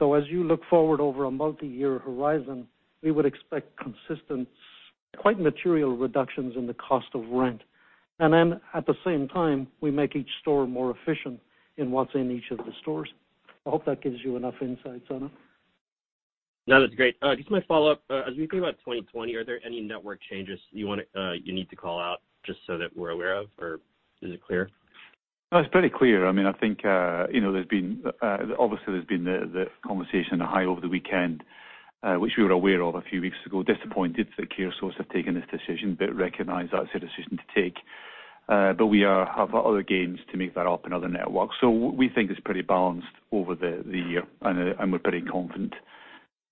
As you look forward over a multi-year horizon, we would expect consistent, quite material reductions in the cost of rent. At the same time, we make each store more efficient in what's in each of the stores. I hope that gives you enough insight, Brian. No, that's great. Just my follow-up. As we think about 2020, are there any network changes you need to call out just so that we're aware of, or is it clear? It's pretty clear. I think, obviously there's been the conversation high over the weekend, which we were aware of a few weeks ago. Disappointed that CareSource have taken this decision but recognize that's their decision to take. We have other gains to make that up in other networks. We think it's pretty balanced over the year, and we're pretty confident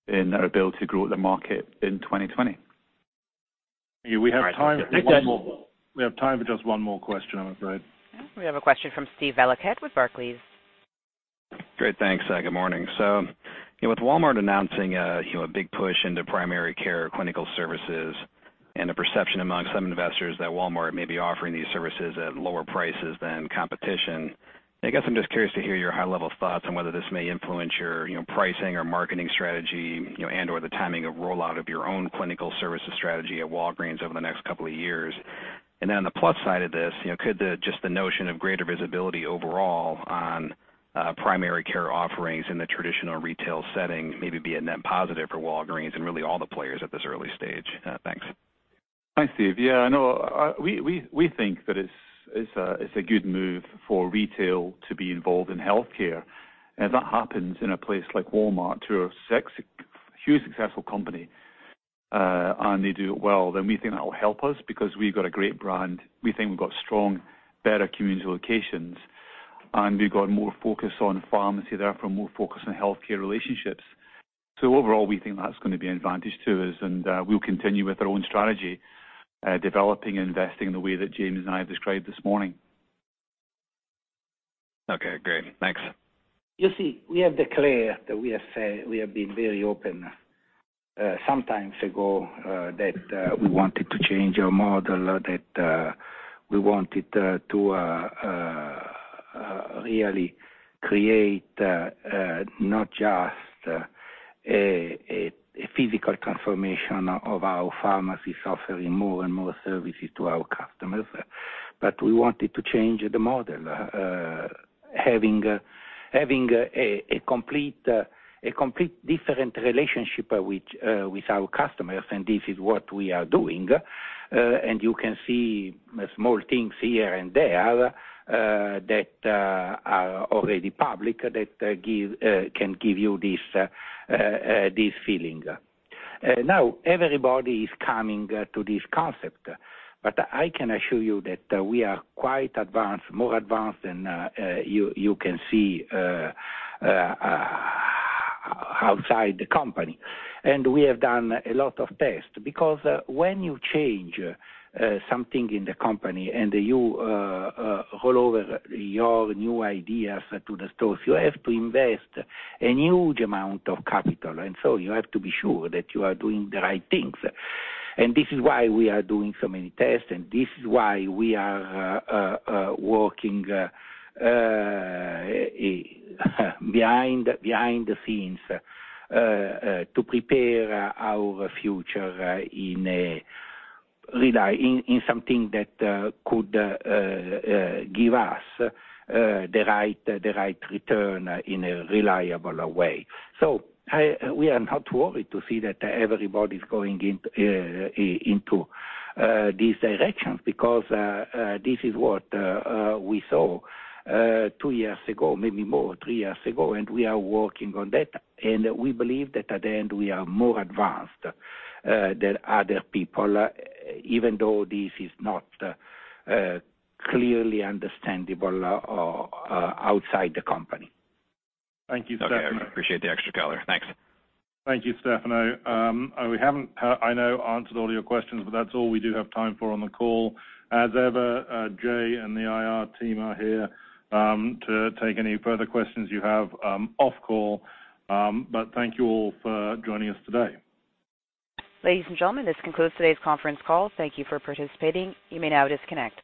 in our ability to grow the market in 2020. All right. We have time for just one more. We have time for just one more question, I'm afraid. We have a question from Steven Valiquette with Barclays. Great. Thanks. Good morning. With Walmart announcing a big push into primary care clinical services and the perception among some investors that Walmart may be offering these services at lower prices than competition, I guess I'm just curious to hear your high-level thoughts on whether this may influence your pricing or marketing strategy, and/or the timing of rollout of your own clinical services strategy at Walgreens over the next couple of years. On the plus side of this, could just the notion of greater visibility overall on primary care offerings in the traditional retail setting maybe be a net positive for Walgreens and really all the players at this early stage? Thanks. Thanks, Steve. Yeah, I know. We think that it's a good move for retail to be involved in healthcare. If that happens in a place like Walmart, who are a huge successful company, and they do it well, we think that will help us because we've got a great brand. We think we've got strong, better community locations, and we've got more focus on pharmacy, therefore more focus on healthcare relationships. Overall, we think that's going to be an advantage to us, and we'll continue with our own strategy, developing and investing in the way that James and I have described this morning. Okay, great. Thanks. You see, we have declared that we have been very open, some time ago, that we wanted to change our model, that we wanted to really create not just a physical transformation of our pharmacy offering more and more services to our customers, but we wanted to change the model, having a complete different relationship with our customers, and this is what we are doing. You can see small things here and there that are already public that can give you this feeling. Now, everybody is coming to this concept, but I can assure you that we are quite advanced, more advanced than you can see outside the company. We have done a lot of tests because when you change something in the company and you roll over your new ideas to the stores, you have to invest a huge amount of capital, and so you have to be sure that you are doing the right things. This is why we are doing so many tests, and this is why we are working behind the scenes to prepare our future in something that could give us the right return in a reliable way. We are not worried to see that everybody's going into these directions because this is what we saw two years ago, maybe more, three years ago, and we are working on that. We believe that at the end, we are more advanced than other people, even though this is not clearly understandable outside the company. Thank you, Stefano. Okay. I appreciate the extra color. Thanks. Thank you, Stefano. We haven't, I know, answered all your questions, but that's all we do have time for on the call. As ever, Jay and the IR team are here to take any further questions you have off call. Thank you all for joining us today. Ladies and gentlemen, this concludes today's conference call. Thank you for participating. You may now disconnect.